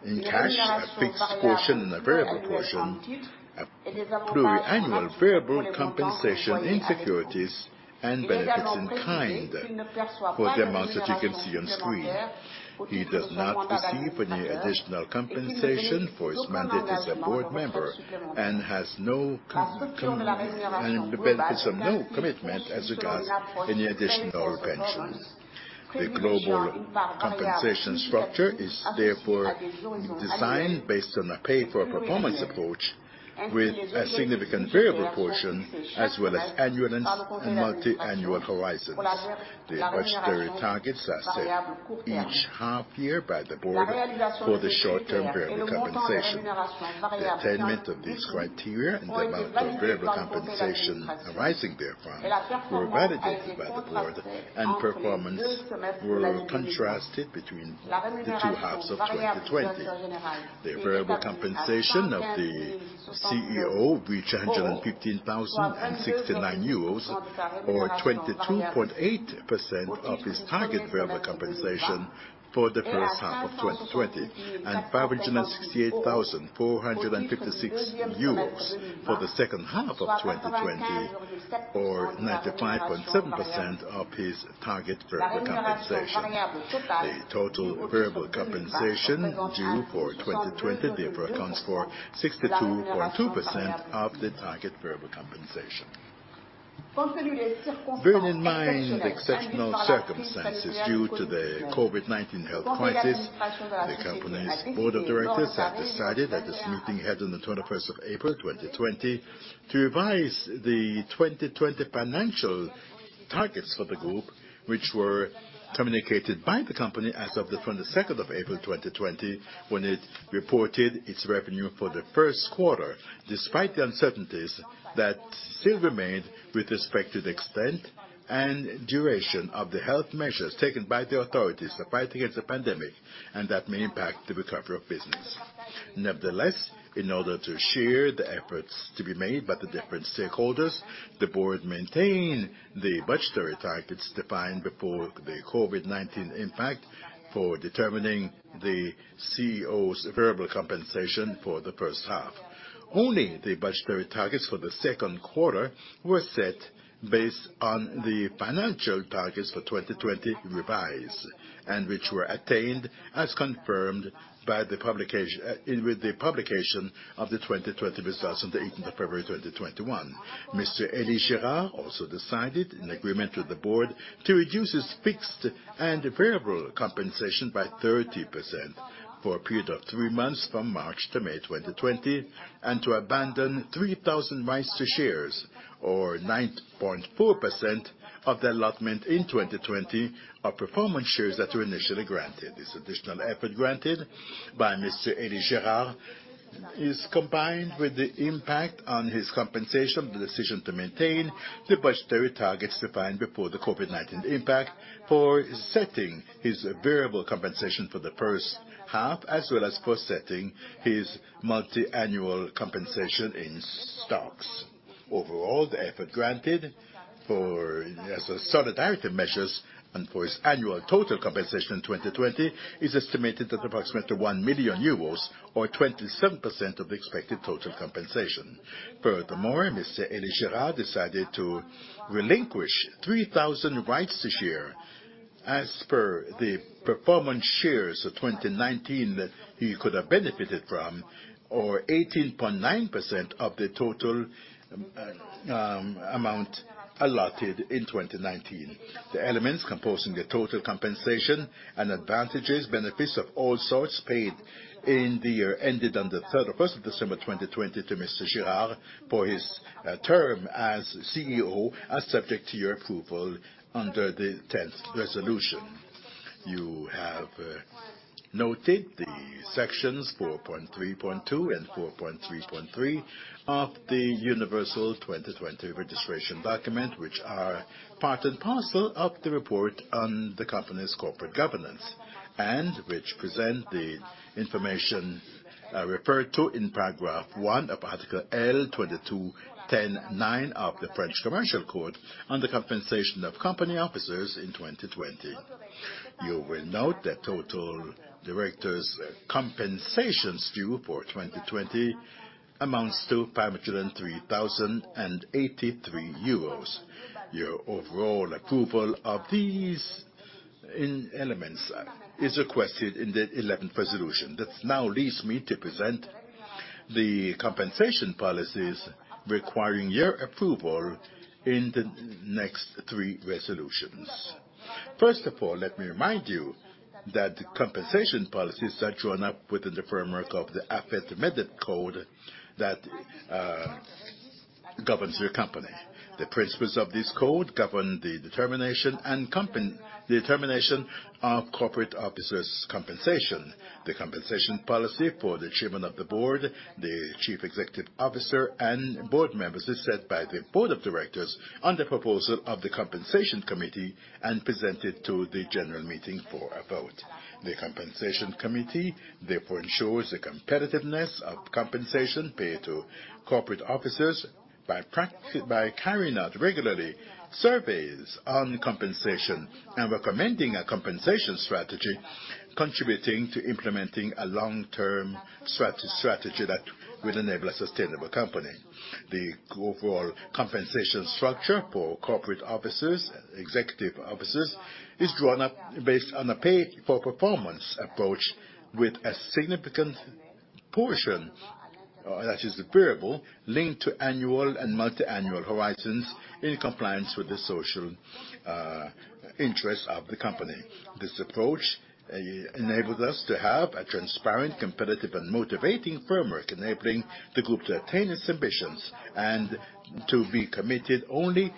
in cash, a fixed portion and a variable portion, a pluriannual variable compensation in securities and benefits in kind. For the amounts that you can see on screen, he does not receive any additional compensation for his mandate as a board member, and has no compensation and benefits, and no commitment as regards any additional pensions. The global compensation structure is therefore designed based on a pay for performance approach, with a significant variable portion, as well as annual and multi-annual horizons. The budgetary targets are set each half year by the board for the short-term variable compensation. The attainment of these criteria and amount of variable compensation arising therefrom, were validated by the board, and performance were contrasted between the two halves of 2020. The variable compensation of the CEO reached 115,069 euros, or 22.8% of his target variable compensation for the first half of 2020, and 568,456 euros for the second half of 2020, or 95.7% of his target variable compensation. The total variable compensation due for 2020 therefore accounts for 62.2% of the target variable compensation. Bearing in mind the exceptional circumstances due to the COVID-19 health crisis, the company's board of directors have decided at this meeting held on the 21st of April, 2020, to revise the 2020 financial targets for the group, which were communicated by the company as of the 22nd of April, 2020, when it reported its revenue for the first quarter. Despite the uncertainties that still remained with respect to the extent and duration of the health measures taken by the authorities to fight against the pandemic, and that may impact the recovery of business. Nevertheless, in order to share the efforts to be made by the different stakeholders, the board maintained the budgetary targets defined before the COVID-19 impact for determining the CEO's variable compensation for the first half. Only the budgetary targets for the second quarter were set based on the financial targets for 2020 revised, and which were attained as confirmed by the publication with the publication of the 2020 results on the 18th of February 2021. Mr. Elie Girard also decided, in agreement with the Board, to reduce his fixed and variable compensation by 30% for a period of three months from March to May 2020, and to abandon 3,000 rights to shares, or 9.4% of the allotment in 2020 of performance shares that were initially granted. This additional effort granted by Mr. Elie Girard is combined with the impact on his compensation, the decision to maintain the budgetary targets defined before the COVID-19 impact, for setting his variable compensation for the first half, as well as for setting his multi-annual compensation in stocks. Overall, the effort granted for as a solidarity measures and for his annual total compensation in 2020, is estimated at approximately 1 million euros, or 27% of the expected total compensation. Furthermore, Mr. Elie Girard decided to relinquish 3,000 rights this year, as per the performance shares of 2019 that he could have benefited from, or 18.9% of the total amount allotted in 2019. The elements composing the total compensation and advantages, benefits of all sorts paid in the year ended on the 31st of December 2020 to Mr. Girard for his term as CEO, are subject to your approval under the 10th resolution. You have noted the sections 4.3.2 and 4.3.3 of the 2020 Universal Registration Document, which are part and parcel of the report on the company's corporate governance, and which present the information referred to in paragraph one of Article L. 22-10-9 of the French Commercial Code on the compensation of company officers in 2020. You will note that total directors' compensations due for 2020 amounts to 503,083 euros. Your overall approval of these elements is requested in the eleventh resolution. That now leads me to present the compensation policies requiring your approval in the next three resolutions. First of all, let me remind you that the compensation policies are drawn up within the framework of the AFEP-MEDEF Code that governs your company. The principles of this code govern the determination of corporate officers' compensation. The compensation policy for the Chairman of the Board, the Chief Executive Officer, and board members, is set by the Board of Directors on the proposal of the Compensation Committee, and presented to the General Meeting for a vote. The Compensation Committee, therefore, ensures the competitiveness of compensation paid to corporate officers by carrying out regularly surveys on compensation, and recommending a compensation strategy, contributing to implementing a long-term strategy that will enable a sustainable company. The overall compensation structure for corporate officers, executive officers, is drawn up based on a pay-for-performance approach, with a significant portion that is variable, linked to annual and multi-annual horizons in compliance with the social interests of the company. This approach enables us to have a transparent, competitive and motivating framework, enabling the group to attain its ambitions, and to be committed only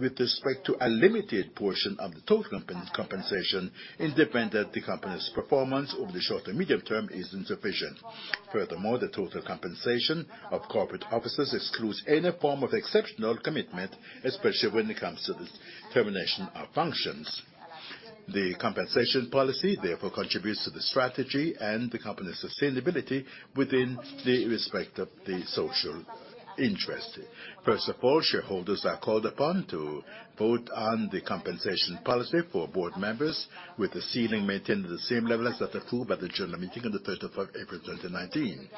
with respect to a limited portion of the total compensation, independent of the company's performance over the short and medium term is insufficient. Furthermore, the total compensation of corporate officers excludes any form of exceptional commitment, especially when it comes to the termination of functions. The compensation policy, therefore, contributes to the strategy and the company's sustainability within the respect of the social interest. First of all, shareholders are called upon to vote on the compensation policy for board members, with the ceiling maintained at the same level as that approved by the general meeting on the 31st of April, 2019.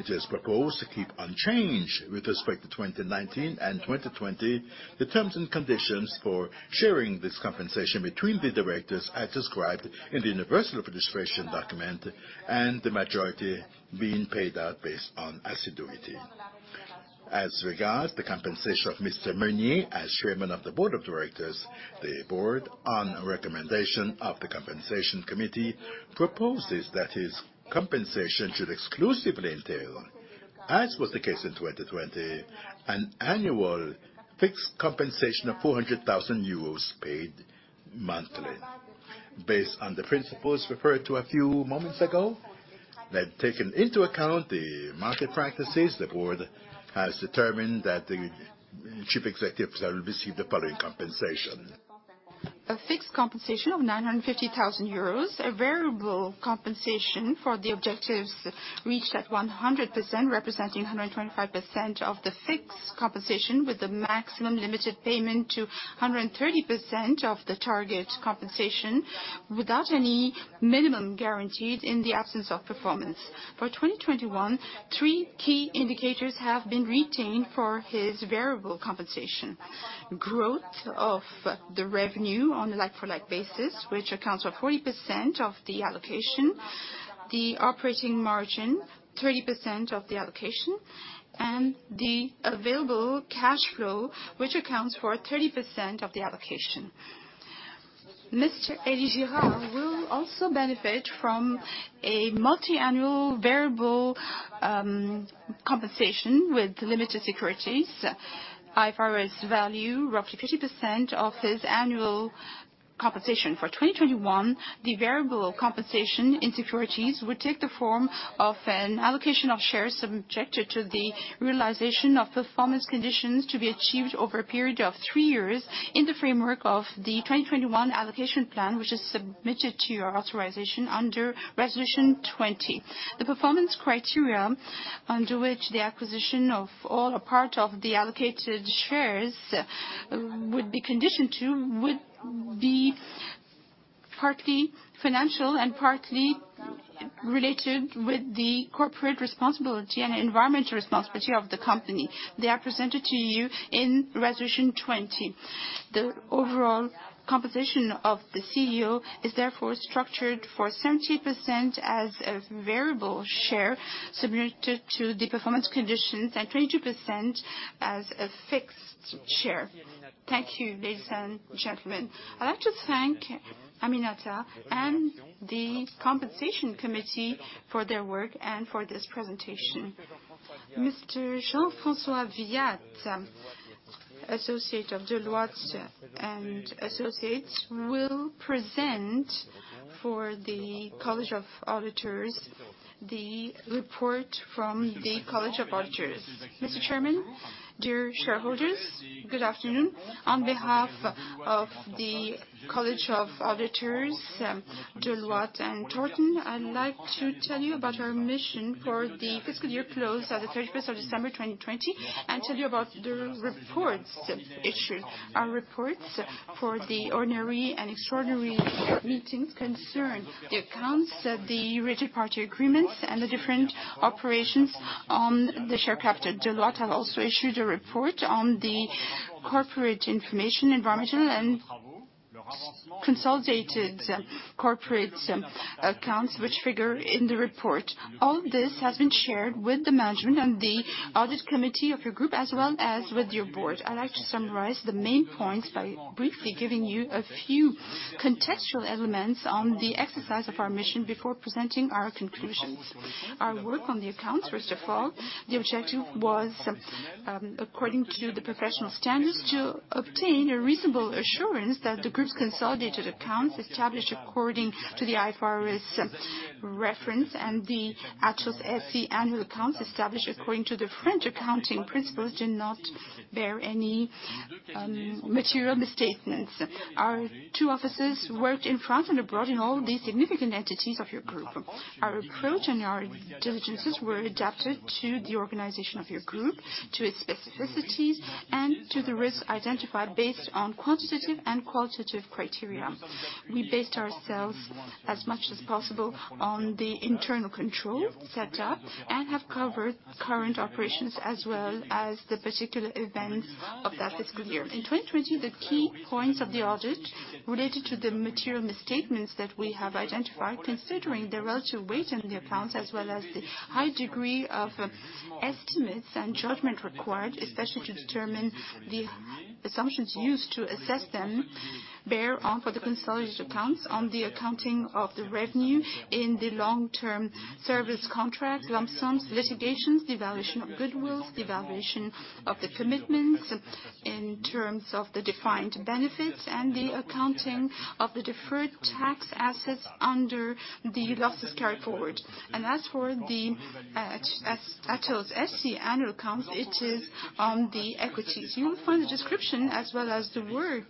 It is proposed to keep unchanged with respect to 2019 and 2020, the terms and conditions for sharing this compensation between the directors, as described in the Universal Registration Document, and the majority being paid out based on assiduity. As regards the compensation of Mr. Meunier as Chairman of the Board of Directors, the board, on recommendation of the Compensation Committee, proposes that his compensation should exclusively entail, as was the case in 2020, an annual fixed compensation of 400,000 euros paid monthly. Based on the principles referred to a few moments ago, then taking into account the market practices, the board has determined that the Chief Executive will receive the following compensation. A fixed compensation of 950,000 euros, a variable compensation for the objectives reached at 100%, representing 125% of the fixed compensation, with the maximum limited payment to 130% of the target compensation, without any minimum guaranteed in the absence of performance. For 2021, three key indicators have been retained for his variable compensation. Growth of the revenue on a like-for-like basis, which accounts for 40% of the allocation, the operating margin, 30% of the allocation, and the available cash flow, which accounts for 30% of the allocation. Mr. Elie Girard will also benefit from a multi-annual variable compensation with limited securities, IFRS value, roughly 50% of his annual compensation. For 2021, the variable compensation in securities will take the form of an allocation of shares subjected to the realization of performance conditions to be achieved over a period of three years in the framework of the 2021 allocation plan, which is submitted to your authorization under Resolution 20. The performance criteria under which the acquisition of all or part of the allocated shares would be conditioned to would be partly financial and partly related with the corporate responsibility and environmental responsibility of the company. They are presented to you in Resolution 20. The overall composition of the CEO is therefore structured for 70% as a variable share, submitted to the performance conditions, and 22% as a fixed share. Thank you, ladies and gentlemen. I'd like to thank Aminata and the Compensation Committee for their work and for this presentation. Mr. Jean-François Viat, associate of Deloitte & Associés, will present for the College of Auditors, the report from the College of Auditors. Mr. Chairman, dear shareholders, good afternoon. On behalf of the College of Auditors, Deloitte and Grant Thornton, I'd like to tell you about our mission for the fiscal year closed on the 31st of December, 2020, and tell you about the reports issued. Our reports for the ordinary and extraordinary meetings concern the accounts, the related party agreements, and the different operations on the share capital. Deloitte have also issued a report on the corporate information, environmental, and consolidated corporate, accounts which figure in the report. All this has been shared with the management and the audit committee of your group, as well as with your board. I'd like to summarize the main points by briefly giving you a few contextual elements on the exercise of our mission before presenting our conclusions. Our work on the accounts, first of all, the objective was according to the professional standards, to obtain a reasonable assurance that the group's consolidated accounts, established according to the IFRS reference and the Atos SE annual accounts, established according to the French accounting principles, do not bear any material misstatements. Our two officers worked in France and abroad in all the significant entities of your group. Our approach and our diligences were adapted to the organization of your group, to its specificities, and to the risks identified based on quantitative and qualitative criteria. We based ourselves as much as possible on the internal control set up, and have covered current operations as well as the particular events of that fiscal year. In 2020, the key points of the audit related to the material misstatements that we have identified, considering the relative weight in the accounts, as well as the high degree of estimates and judgment required, especially to determine the assumptions used to assess them, bear on for the consolidated accounts, on the accounting of the revenue in the long-term service contracts, lump sums, litigations, the evaluation of goodwill, the evaluation of the commitments in terms of the defined benefits, and the accounting of the deferred tax assets under the losses carried forward. And as for the Atos SE annual accounts, it is on the equities. You will find the description as well as the work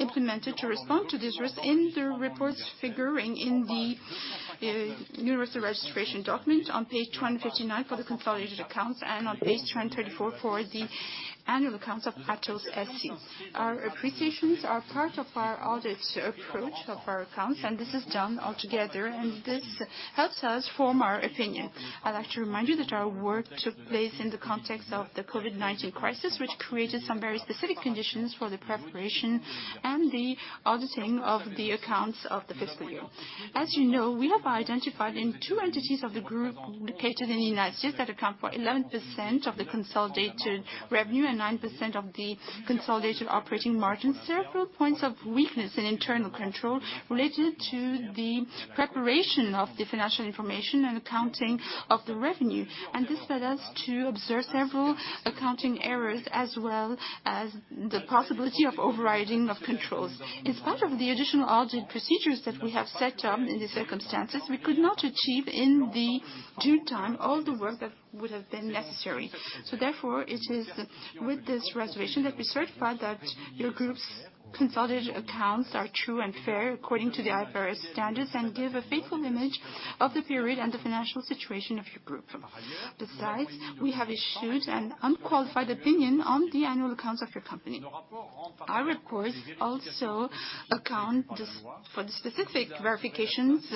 implemented to respond to this risk in the reports figuring in the Universal Registration Document on page 259 for the consolidated accounts, and on page 234 for the annual accounts of Atos SE. Our appreciations are part of our audit approach of our accounts, and this is done all together, and this helps us form our opinion. I'd like to remind you that our work took place in the context of the COVID-19 crisis, which created some very specific conditions for the preparation and the auditing of the accounts of the fiscal year. As you know, we have identified in two entities of the group located in the United States, that account for 11% of the consolidated revenue and 9% of the consolidated operating margin, several points of weakness in internal control related to the preparation of the financial information and accounting of the revenue. And this led us to observe several accounting errors, as well as the possibility of overriding of controls. As part of the additional audit procedures that we have set up in these circumstances, we could not achieve in the due time, all the work that would have been necessary. So therefore, it is with this reservation that we certify that your group's consolidated accounts are true and fair according to the IFRS standards, and give a faithful image of the period and the financial situation of your group. Besides, we have issued an unqualified opinion on the annual accounts of your company. Our reports also account for the specific verifications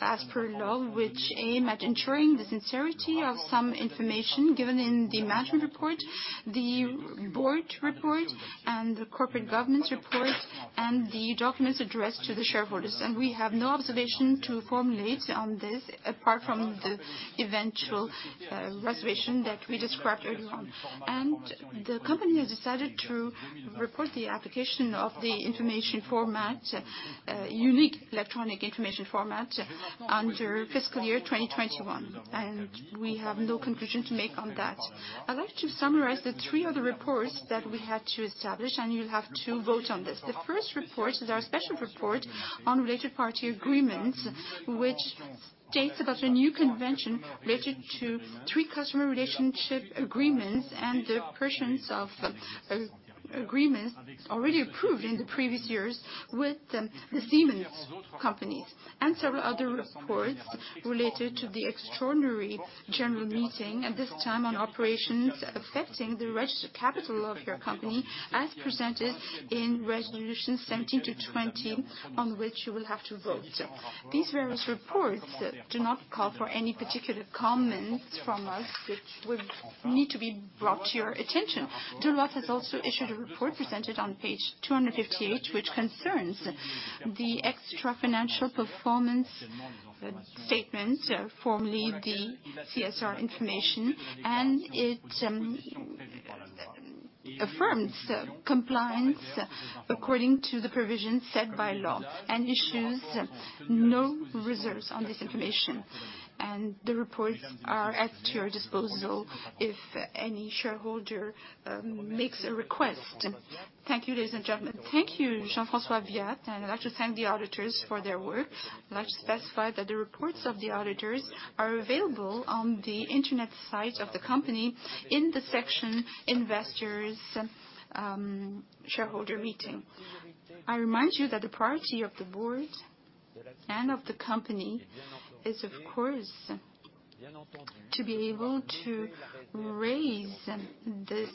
as per law, which aim at ensuring the sincerity of some information given in the management report, the board report, and the corporate governance report, and the documents addressed to the shareholders. We have no observation to formulate on this, apart from the eventual reservation that we described earlier on. The company has decided to report the application of the information format, unique electronic information format under fiscal year 2021, and we have no conclusion to make on that. I'd like to summarize the three other reports that we had to establish, and you'll have to vote on this. The first report is our special report on related party agreements, which states about a new convention related to three customer relationship agreements and the portions of agreements already approved in the previous years with the Siemens companies, and several other reports related to the extraordinary general meeting, and this time, on operations affecting the registered capital of your company, as presented in resolutions 17 to 20, on which you will have to vote. These various reports do not call for any particular comments from us, which would need to be brought to your attention. Deloitte has also issued a report presented on page 258, which concerns the extra-financial performance statement, formerly the CSR information, and it affirms compliance according to the provisions set by law, and issues no reserves on this information. The reports are at your disposal if any shareholder makes a request. Thank you, ladies and gentlemen. Thank you, Jean-François Viat, and I'd like to thank the auditors for their work. I'd like to specify that the reports of the auditors are available on the internet site of the company, in the section Investors, Shareholder Meeting. I remind you that the priority of the board and of the company is, of course, to be able to raise this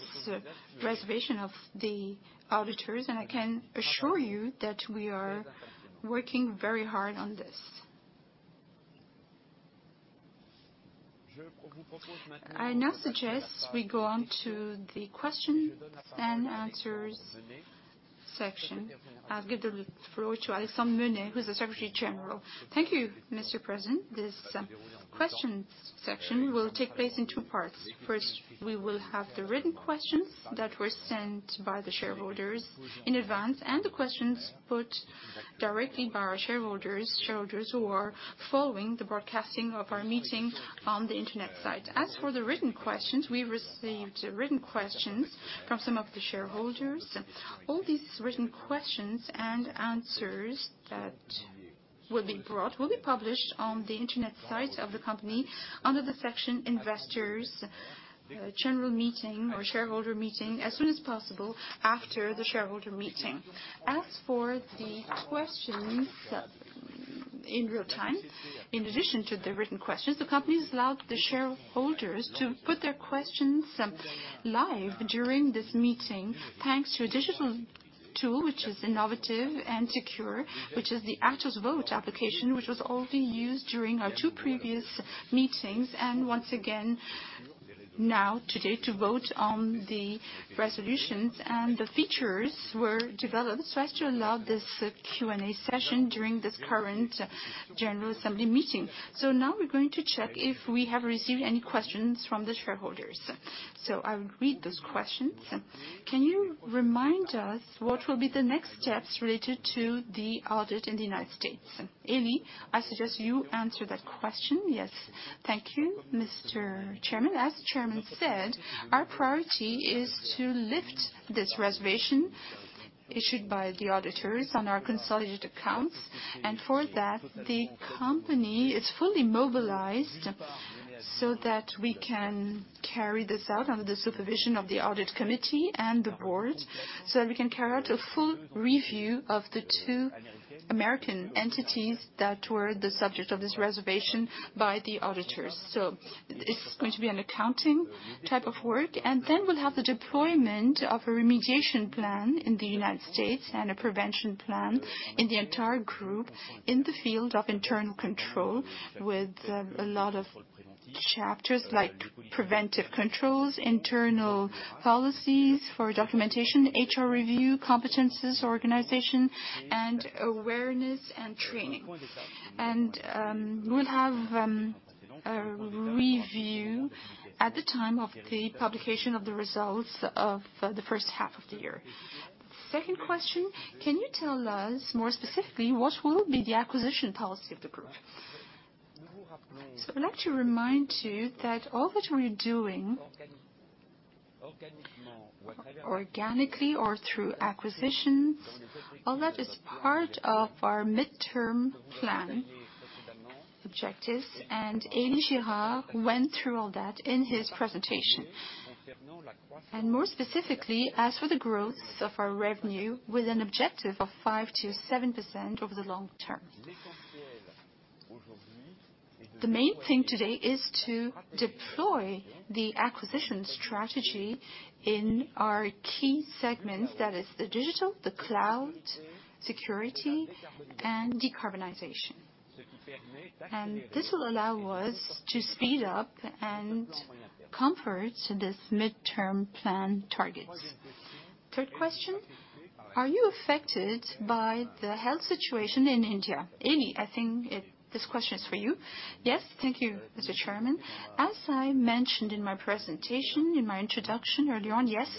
reservation of the auditors, and I can assure you that we are working very hard on this. I now suggest we go on to the questions and answers section. I'll give the floor to Alexandre Menais, who is the Secretary General. Thank you, Mr President. This questions section will take place in two parts. First, we will have the written questions that were sent by the shareholders in advance, and the questions put directly by our shareholders, shareholders who are following the broadcasting of our meeting on the internet site. As for the written questions, we received written questions from some of the shareholders. All these written questions and answers that will be brought will be published on the internet site of the company, under the section Investors, General Meeting or Shareholder Meeting, as soon as possible after the shareholder meeting. As for the questions in real time, in addition to the written questions, the company has allowed the shareholders to put their questions, live during this meeting, thanks to a digital tool, which is innovative and secure, which is the Atos Vote application, which was already used during our two previous meetings, and once again, now, today, to vote on the resolutions. And the features were developed so as to allow this Q&A session during this current general assembly meeting. So now we're going to check if we have received any questions from the shareholders. So I will read those questions. Can you remind us what will be the next steps related to the audit in the United States? Elie, I suggest you answer that question. Yes. Thank you, Mr. Chairman. As the chairman said, our priority is to lift this reservation issued by the auditors on our consolidated accounts, and for that, the company is fully mobilized. So that we can carry this out under the supervision of the audit committee and the board, so that we can carry out a full review of the two American entities that were the subject of this reservation by the auditors. So it's going to be an accounting type of work, and then we'll have the deployment of a remediation plan in the United States, and a prevention plan in the entire group, in the field of internal control, with a lot of chapters like preventive controls, internal policies for documentation, HR review, competencies, organization, and awareness and training. We'll have a review at the time of the publication of the results of the first half of the year. Second question, can you tell us more specifically what will be the acquisition policy of the group? So I'd like to remind you that all that we're doing, organically or through acquisitions, all that is part of our midterm plan objectives, and Elie Girard went through all that in his presentation and more specifically, as for the growth of our revenue, with an objective of 5%-7% over the long term. The main thing today is to deploy the acquisition strategy in our key segments, that is the digital, the cloud, security, and decarbonization and this will allow us to speed up and confirm this midterm plan targets. Third question, are you affected by the health situation in India? Elie, I think this question is for you. Yes, thank you, Mr. Chairman. As I mentioned in my presentation, in my introduction earlier on, yes,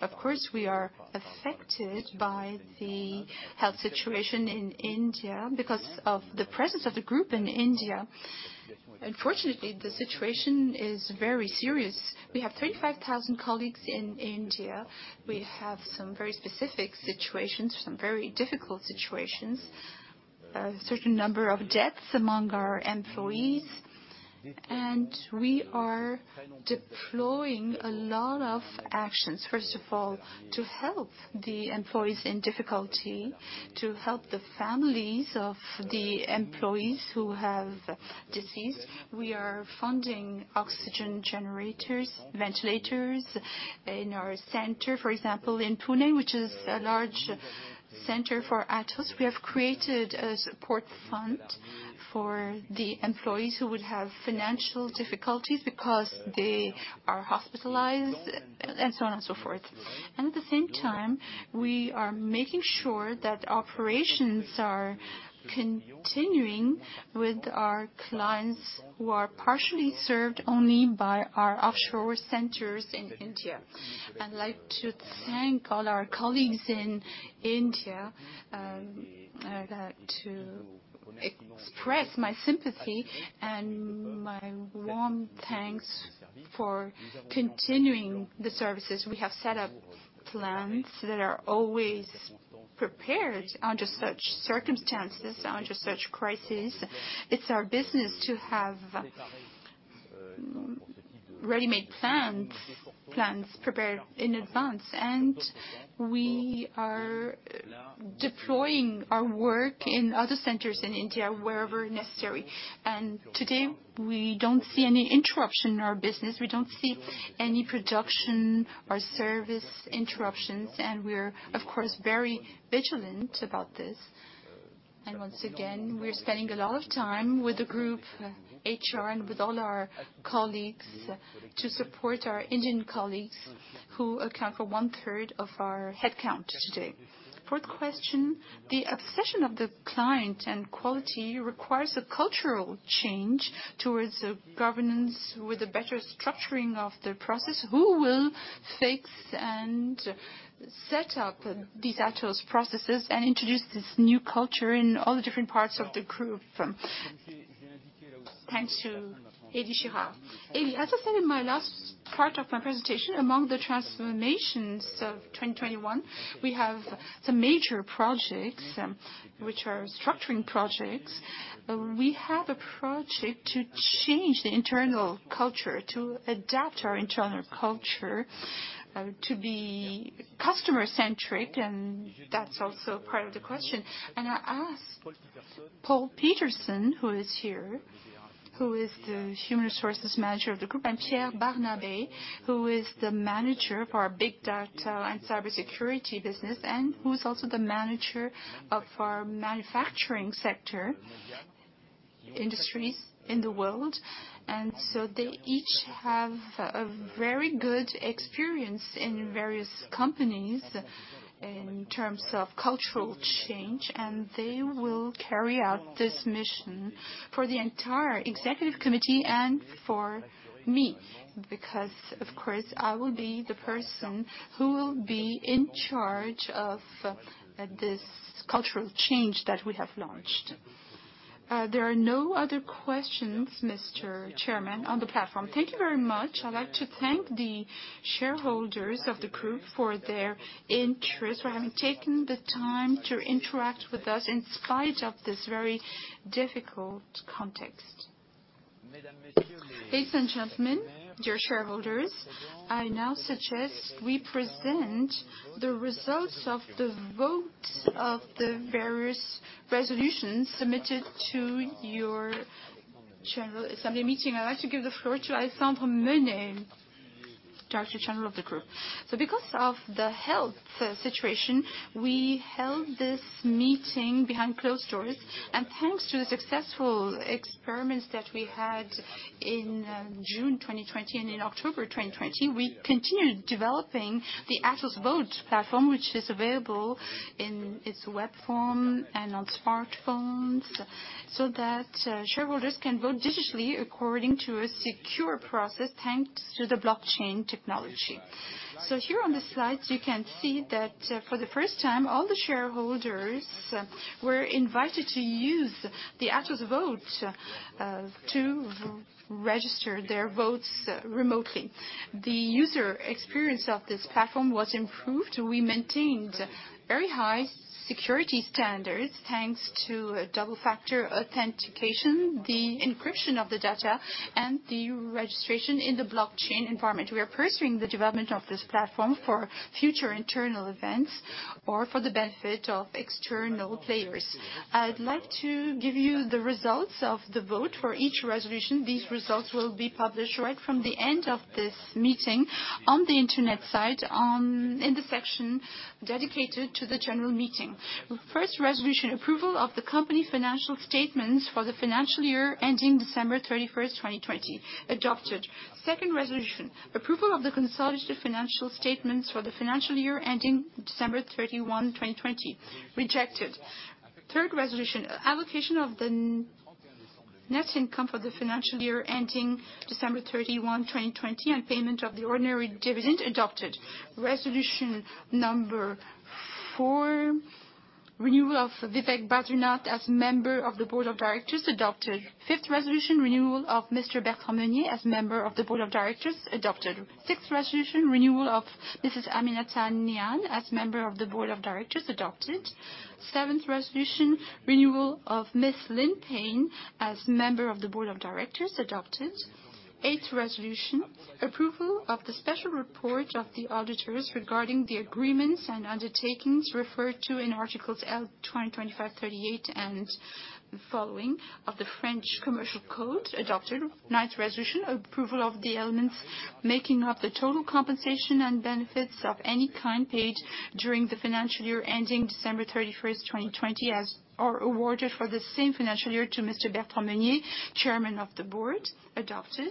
of course, we are affected by the health situation in India because of the presence of the group in India. Unfortunately, the situation is very serious. We have 35,000 colleagues in India. We have some very specific situations, some very difficult situations, a certain number of deaths among our employees, and we are deploying a lot of actions. First of all, to help the employees in difficulty, to help the families of the employees who have deceased. We are funding oxygen generators, ventilators in our center, for example, in Pune, which is a large center for Atos. We have created a support fund for the employees who would have financial difficulties because they are hospitalized, and so on and so forth. At the same time, we are making sure that operations are continuing with our clients, who are partially served only by our offshore centers in India. I'd like to thank all our colleagues in India, to express my sympathy and my warm thanks for continuing the services. We have set up plans that are always prepared under such circumstances, under such crises. It's our business to have, ready-made plans, plans prepared in advance, and we are deploying our work in other centers in India, wherever necessary. Today, we don't see any interruption in our business. We don't see any production or service interruptions, and we're, of course, very vigilant about this. Once again, we're spending a lot of time with the group HR and with all our colleagues, to support our Indian colleagues, who account for one third of our headcount today. Fourth question, the obsession of the client and quality requires a cultural change towards a governance with a better structuring of the process. Who will fix and set up these Atos processes, and introduce this new culture in all the different parts of the group? Thanks to Elie Girard. Elie, as I said in my last part of my presentation, among the transformations of 2021, we have some major projects, which are structuring projects. We have a project to change the internal culture, to adapt our internal culture, to be customer-centric, and that's also part of the question. And I asked Paul Peterson, who is here, who is the human resources manager of the group, and Pierre Barnabé, who is the manager for our big data and cybersecurity business, and who's also the manager of our manufacturing sector industries in the world. And so they each have a very good experience in various companies in terms of cultural change, and they will carry out this mission for the entire executive committee and for me, because, of course, I will be the person who will be in charge of this cultural change that we have launched. There are no other questions, Mr. Chairman, on the platform. Thank you very much. I'd like to thank the shareholders of the group for their interest, for having taken the time to interact with us in spite of this very difficult context.... Ladies and gentlemen, dear shareholders, I now suggest we present the results of the vote of the various resolutions submitted to your general assembly meeting. I'd like to give the floor to Alexandre Menais, director general of the group. Because of the health situation, we held this meeting behind closed doors, and thanks to the successful experiments that we had in June 2020 and in October 2020, we continued developing the Atos Vote platform, which is available in its web form and on smartphones, so that shareholders can vote digitally according to a secure process, thanks to the blockchain technology. Here on the slides, you can see that for the first time, all the shareholders were invited to use the Atos Vote to register their votes remotely. The user experience of this platform was improved. We maintained very high security standards, thanks to two-factor authentication, the encryption of the data, and the registration in the blockchain environment. We are pursuing the development of this platform for future internal events or for the benefit of external players. I'd like to give you the results of the vote for each resolution. These results will be published right from the end of this meeting on the Internet site in the section dedicated to the general meeting. First resolution, approval of the company financial statements for the financial year ending December 31, 2020, adopted. Second resolution, approval of the consolidated financial statements for the financial year ending December 31, 2020, rejected. Third resolution, allocation of the net income for the financial year ending December 31, 2020, and payment of the ordinary dividend, adopted. Resolution number four, renewal of Vivek Badrinath as member of the Board of Directors, adopted. Fifth resolution, renewal of Mr. Bertrand Meunier as member of the Board of Directors, adopted. Sixth resolution, renewal of Mrs. Aminata Niane as member of the Board of Directors, adopted. Seventh resolution, renewal of Miss Lynn Paine as member of the Board of Directors, adopted. Eighth resolution, approval of the special report of the auditors regarding the agreements and undertakings referred to in Article L. 225-38, and following, of the French Commercial Code, adopted. Ninth resolution, approval of the elements making up the total compensation and benefits of any kind paid during the financial year ending December 31st, 2020, as are awarded for the same financial year to Mr. Bertrand Meunier, Chairman of the Board, adopted.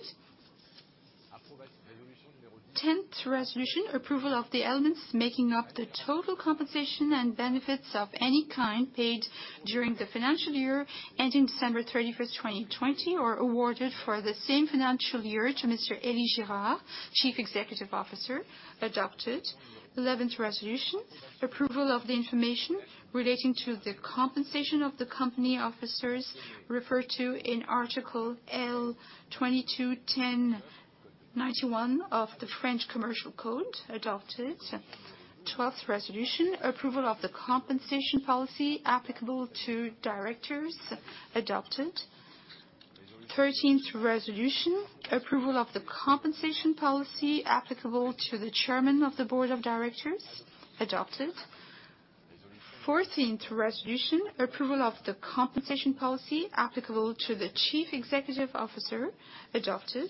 Tenth resolution, approval of the elements making up the total compensation and benefits of any kind paid during the financial year ending December 31st, 2020, or awarded for the same financial year to Mr. Elie Girard, Chief Executive Officer, adopted. Eleventh resolution, approval of the information relating to the compensation of the company officers referred to in Article L. 22-10-9 I of the French Commercial Code, adopted. Twelfth resolution, approval of the compensation policy applicable to directors, adopted. Thirteenth resolution, approval of the compensation policy applicable to the Chairman of the Board of Directors, adopted. Fourteenth resolution, approval of the compensation policy applicable to the Chief Executive Officer, adopted.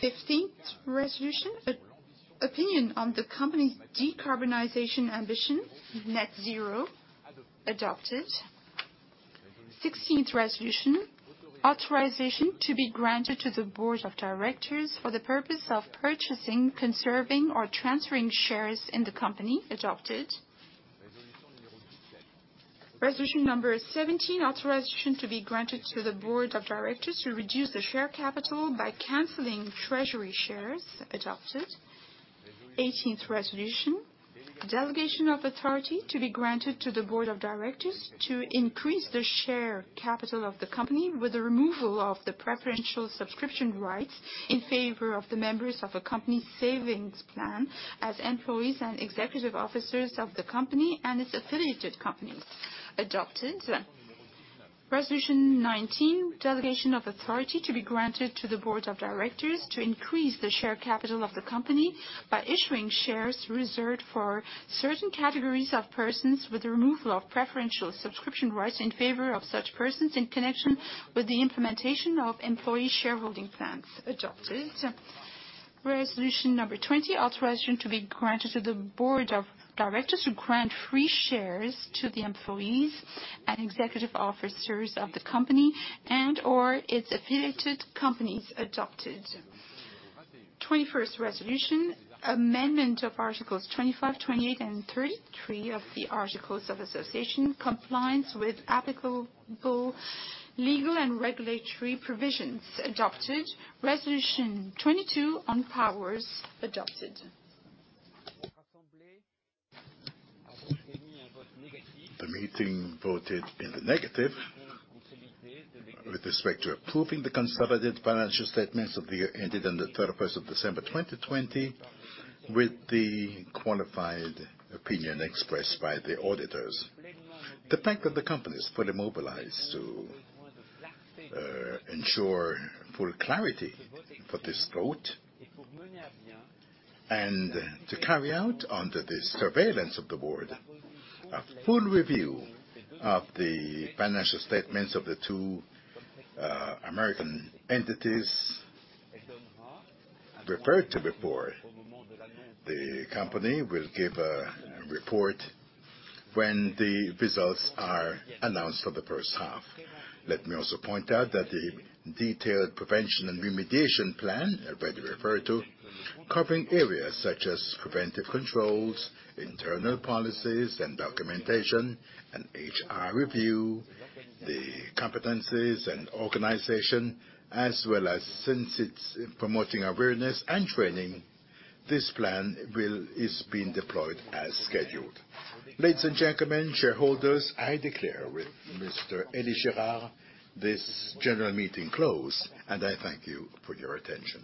Fifteenth resolution, opinion on the company's decarbonization ambition, net zero, adopted. Sixteenth resolution, authorization to be granted to the Board of Directors for the purpose of purchasing, conserving, or transferring shares in the company, adopted. Resolution number seventeen, authorization to be granted to the Board of Directors to reduce the share capital by canceling treasury shares, adopted. 18th resolution, delegation of authority to be granted to the Board of Directors to increase the share capital of the company with the removal of the preferential subscription rights in favor of the members of a company's savings plan, as employees and executive officers of the company and its affiliated companies, adopted. Resolution 19, delegation of authority to be granted to the Board of Directors to increase the share capital of the company by issuing shares reserved for certain categories of persons with the removal of preferential subscription rights in favor of such persons in connection with the implementation of employee shareholding plans, adopted. Resolution number 20, authorization to be granted to the Board of Directors to grant free shares to the employees and executive officers of the company and/or its affiliated companies, adopted. 21st resolution, amendment of articles 25, 28, and 33 of the articles of association, compliance with applicable legal and regulatory provisions, adopted. Resolution 22 on powers, adopted. The meeting voted in the negative with respect to approving the consolidated financial statements of the year ended on the 31st of December, 2020, with the qualified opinion expressed by the auditors. The fact that the company is fully mobilized to ensure full clarity for this vote and to carry out under the surveillance of the board, a full review of the financial statements of the two American entities referred to before. The company will give a report when the results are announced for the first half. Let me also point out that the detailed prevention and remediation plan, I've already referred to, covering areas such as preventive controls, internal policies and documentation, an HR review, the competencies and organization, as well as since it's promoting awareness and training, this plan is being deployed as scheduled. Ladies and gentlemen, shareholders, I declare with Mr.Elie Girard, this general meeting closed, and I thank you for your attention.